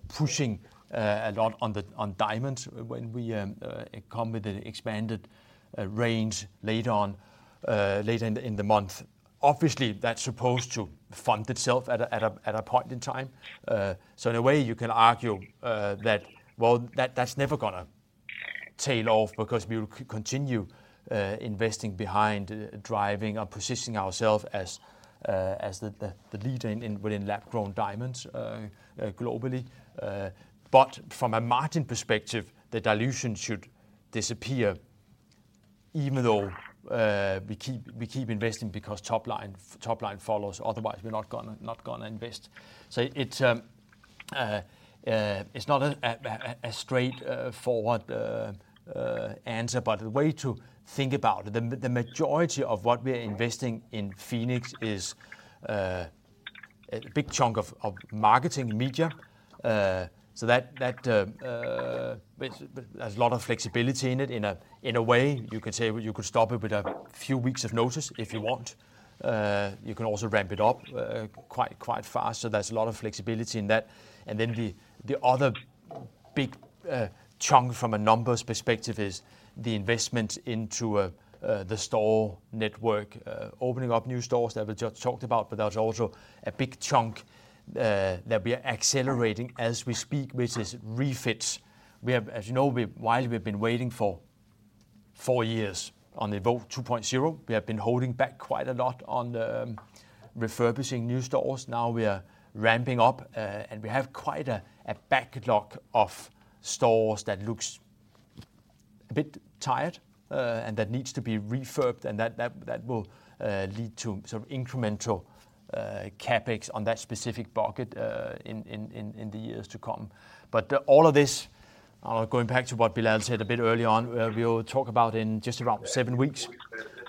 pushing a lot on diamonds. When we come with an expanded range later on, later in the month, obviously, that's supposed to fund itself at a point in time. In a way, you can argue that, well, that, that's never gonna tail off because we'll continue investing behind, driving or positioning ourselves as the leader within lab-grown diamonds, globally. From a margin perspective, the dilution should disappear, even though we keep investing because top line follows. Otherwise, we're not gonna invest. It's not a straightforward answer, but the way to think about it, the majority of what we are investing in Phoenix is a big chunk of marketing media. That, there's a lot of flexibility in it in a way. You could say, you could stop it with a few weeks of notice if you want. You can also ramp it up quite fast, so there's a lot of flexibility in that. The other big chunk from a numbers perspective is the investment into the store network, opening up new stores that we just talked about, but there's also a big chunk that we are accelerating as we speak, which is refits. We have, as you know, while we've been waiting for four years on Evoke 2.0, we have been holding back quite a lot on the refurbishing new stores. Now we are ramping up, and we have quite a backlog of stores that looks a bit tired, and that needs to be refurbed, and that will lead to some incremental CapEx on that specific bucket in the years to come. All of this, going back to what Bilal said a bit early on, we'll talk about in just around seven weeks.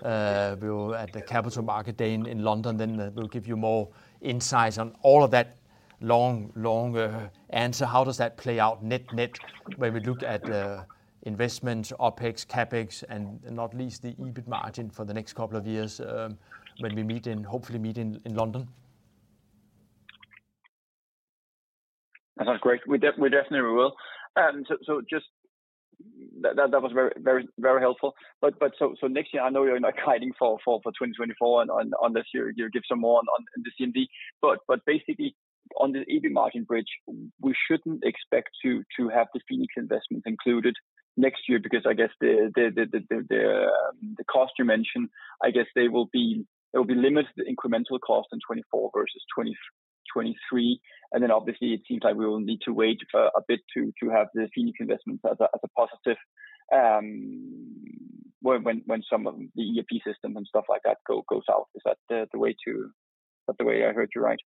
We're at the Capital Markets Day in London, then, we'll give you more insights on all of that long answer. How does that play out net-net, where we look at the investment, OpEx, CapEx, and not least, the EBIT margin for the next couple of years, when we meet in, hopefully meet in London? That sounds great. We definitely will. Just that was very helpful. Next year, I know you're not guiding for 2024, unless you give some more on the CMD. Basically on the EBIT margin bridge, we shouldn't expect to have the Phoenix investment included next year, because I guess the cost you mentioned, I guess it will be limited the incremental cost in 24 versus 2023. Obviously it seems like we will need to wait for a bit to have the Phoenix investments as a positive, when some of the ERP system and stuff like that goes out. Is that the way? Is that the way I heard you right?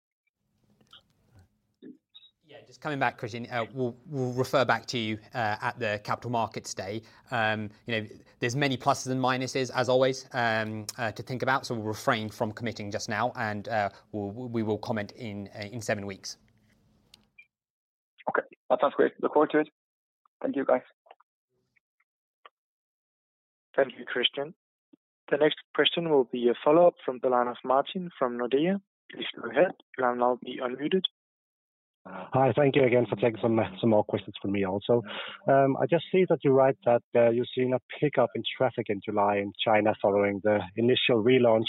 Yeah, just coming back, Christian, we'll refer back to you at the Capital Markets Day. You know, there's many pluses and minuses, as always, to think about, so we'll refrain from committing just now, and we will comment in seven weeks. Okay, that sounds great. Look forward to it. Thank you, guys. Thank you, Christian. The next question will be a follow-up from the line of Martin from Nordea. Please go ahead. You are now be unmuted. Hi, thank you again for taking some more questions from me also. I just see that you write that you're seeing a pickup in traffic in July in China following the initial relaunch.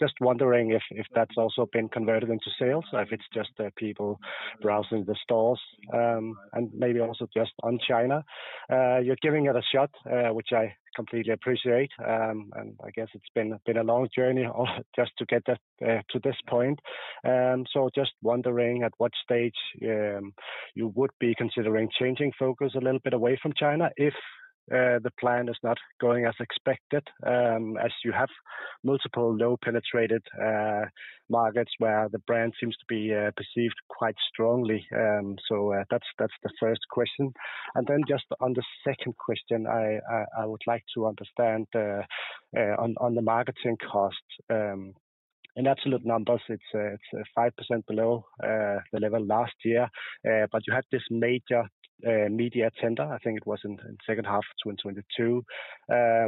Just wondering if that's also been converted into sales, or if it's just the people browsing the stores. Maybe also just on China, you're giving it a shot, which I completely appreciate. I guess it's been a long journey of just to get that to this point. Just wondering at what stage you would be considering changing focus a little bit away from China if the plan is not going as expected, as you have multiple low penetrated markets where the brand seems to be perceived quite strongly. That's the first question. Just on the second question, I would like to understand on the marketing costs, in absolute numbers, it's 5% below the level last year. You had this major media tender, I think it was in second half of 2022,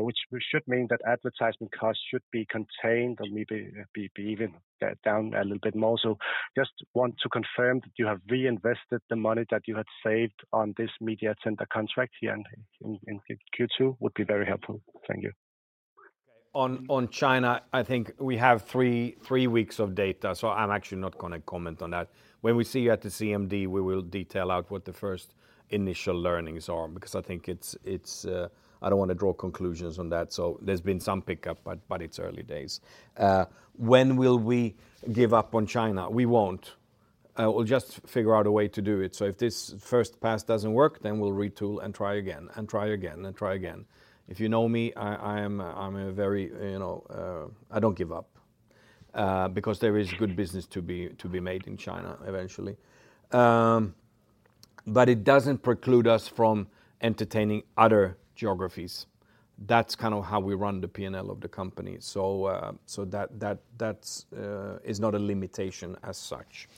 which should mean that advertisement costs should be contained or maybe be even down a little bit more. Just want to confirm that you have reinvested the money that you had saved on this media tender contract here in Q2, would be very helpful. Thank you. On China, I think we have three weeks of data. I'm actually not gonna comment on that. When we see you at the CMD, we will detail out what the first initial learnings are, because I think, I don't want to draw conclusions on that. There's been some pickup, but it's early days. When will we give up on China? We won't. We'll just figure out a way to do it. If this first pass doesn't work, then we'll retool and try again, and try again, and try again. If you know me, I'm a very, you know, I don't give up, because there is good business to be made in China eventually. It doesn't preclude us from entertaining other geographies. That's kind of how we run the P&L of the company. That's not a limitation as such.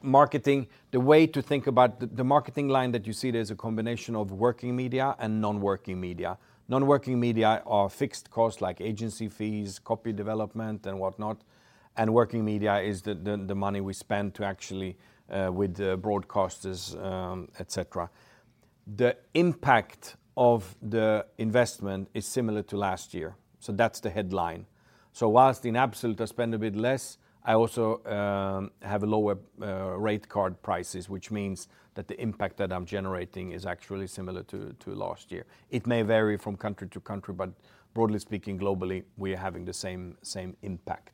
Marketing, the way to think about, the marketing line that you see, there's a combination of working media and non-working media. Non-working media are fixed costs like agency fees, copy development, and whatnot, and working media is the money we spend to actually with the broadcasters, et cetera. The impact of the investment is similar to last year, so that's the headline. Whilst in absolute, I spend a bit less, I also have a lower rate card prices, which means that the impact that I'm generating is actually similar to last year. It may vary from country to country, but broadly speaking, globally, we are having the same impact.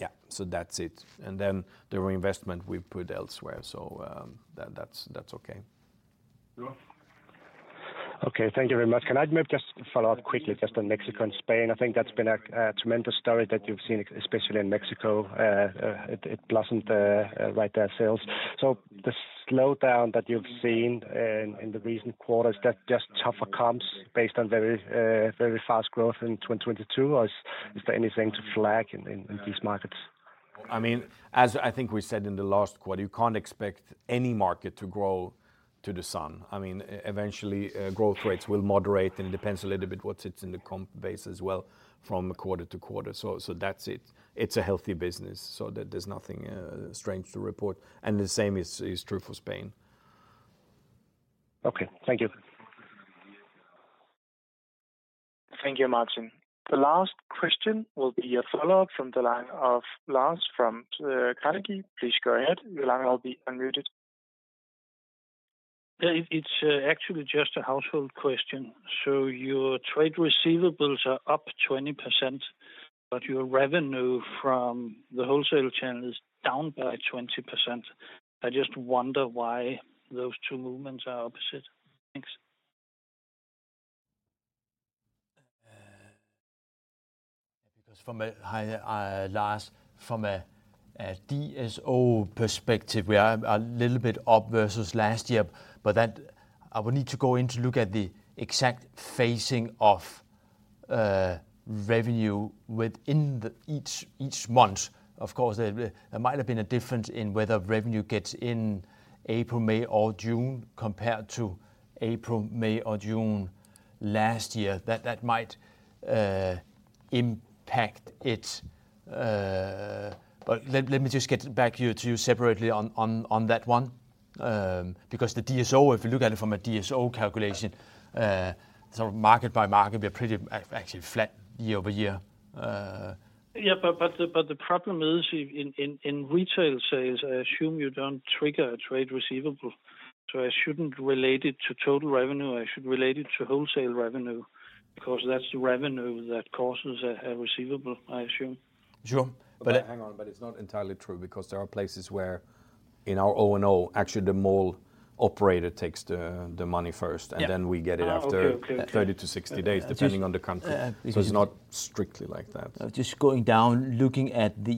Yeah, so that's it. The reinvestment we put elsewhere, so that's okay. Okay, thank you very much. Can I maybe just follow up quickly just on Mexico and Spain? I think that's been a tremendous story that you've seen, especially in Mexico. It blossomed right there, sales. The slowdown that you've seen in the recent quarters, that just tougher comps based on very fast growth in 2022, or is there anything to flag in these markets? I mean, as I think we said in the last quarter, you can't expect any market to grow to the sun. I mean, eventually, growth rates will moderate, and it depends a little bit what sits in the comp base as well from quarter to quarter. That's it. It's a healthy business, so there's nothing strange to report, and the same is true for Spain. Okay, thank you. Thank you, Martin. The last question will be a follow-up from the line of Lars from Carnegie. Please go ahead. Your line will be unmuted. It's actually just a household question. Your trade receivables are up 20%, but your revenue from the wholesale channel is down by 20%. I just wonder why those two movements are opposite. Thanks. Hi, Lars. From a DSO perspective, we are a little bit up versus last year, but that, I would need to go in to look at the exact phasing of revenue within each month. Of course, there might have been a difference in whether revenue gets in April, May, or June, compared to April, May, or June last year, that might impact it. Let me just get back to you separately on that one. Because the DSO, if you look at it from a DSO calculation, sort of market by market, we are pretty actually flat year-over-year. Yeah, the problem is in retail sales, I assume you don't trigger a trade receivable, so I shouldn't relate it to total revenue. I should relate it to wholesale revenue, because that's the revenue that causes a receivable, I assume. Sure. Hang on, it's not entirely true, because there are places where in our O&O, actually the mall operator takes the, the money first. Then we get it 30-60 days, depending on the country. It's not strictly like that. I'm just going down, looking at the.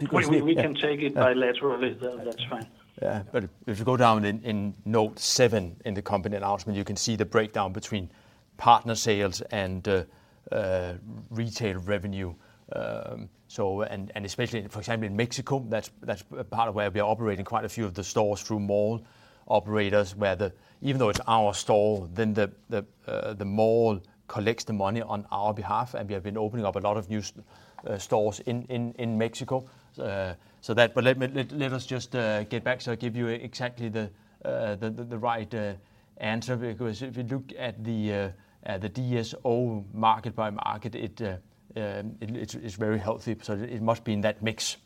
We can take it bilaterally. That's fine. Yeah, if you go down in note seven in the company announcement, you can see the breakdown between partner sales and retail revenue. Especially, for example, in Mexico, that's a part of where we are operating quite a few of the stores through mall operators, where even though it's our store, then the mall collects the money on our behalf, and we have been opening up a lot of new stores in Mexico. Let us just get back, so I'll give you exactly the right answer, because if you look at the DSO market by market, it's very healthy. It must be in that mix.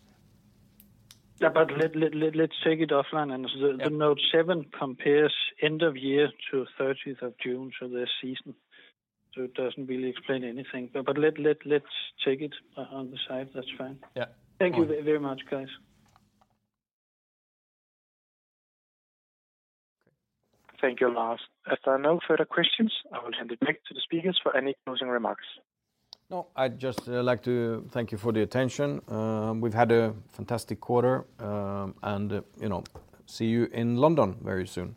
Yeah, let's take it offline. The note seven compares end of year to 30th of June, so this season. It doesn't really explain anything. Let's take it on the side. That's fine. Yeah. Thank you very, very much, guys. Thank you, Lars. As there are no further questions, I will hand it back to the speakers for any closing remarks. No, I'd just like to thank you for the attention. We've had a fantastic quarter, and, you know, see you in London very soon.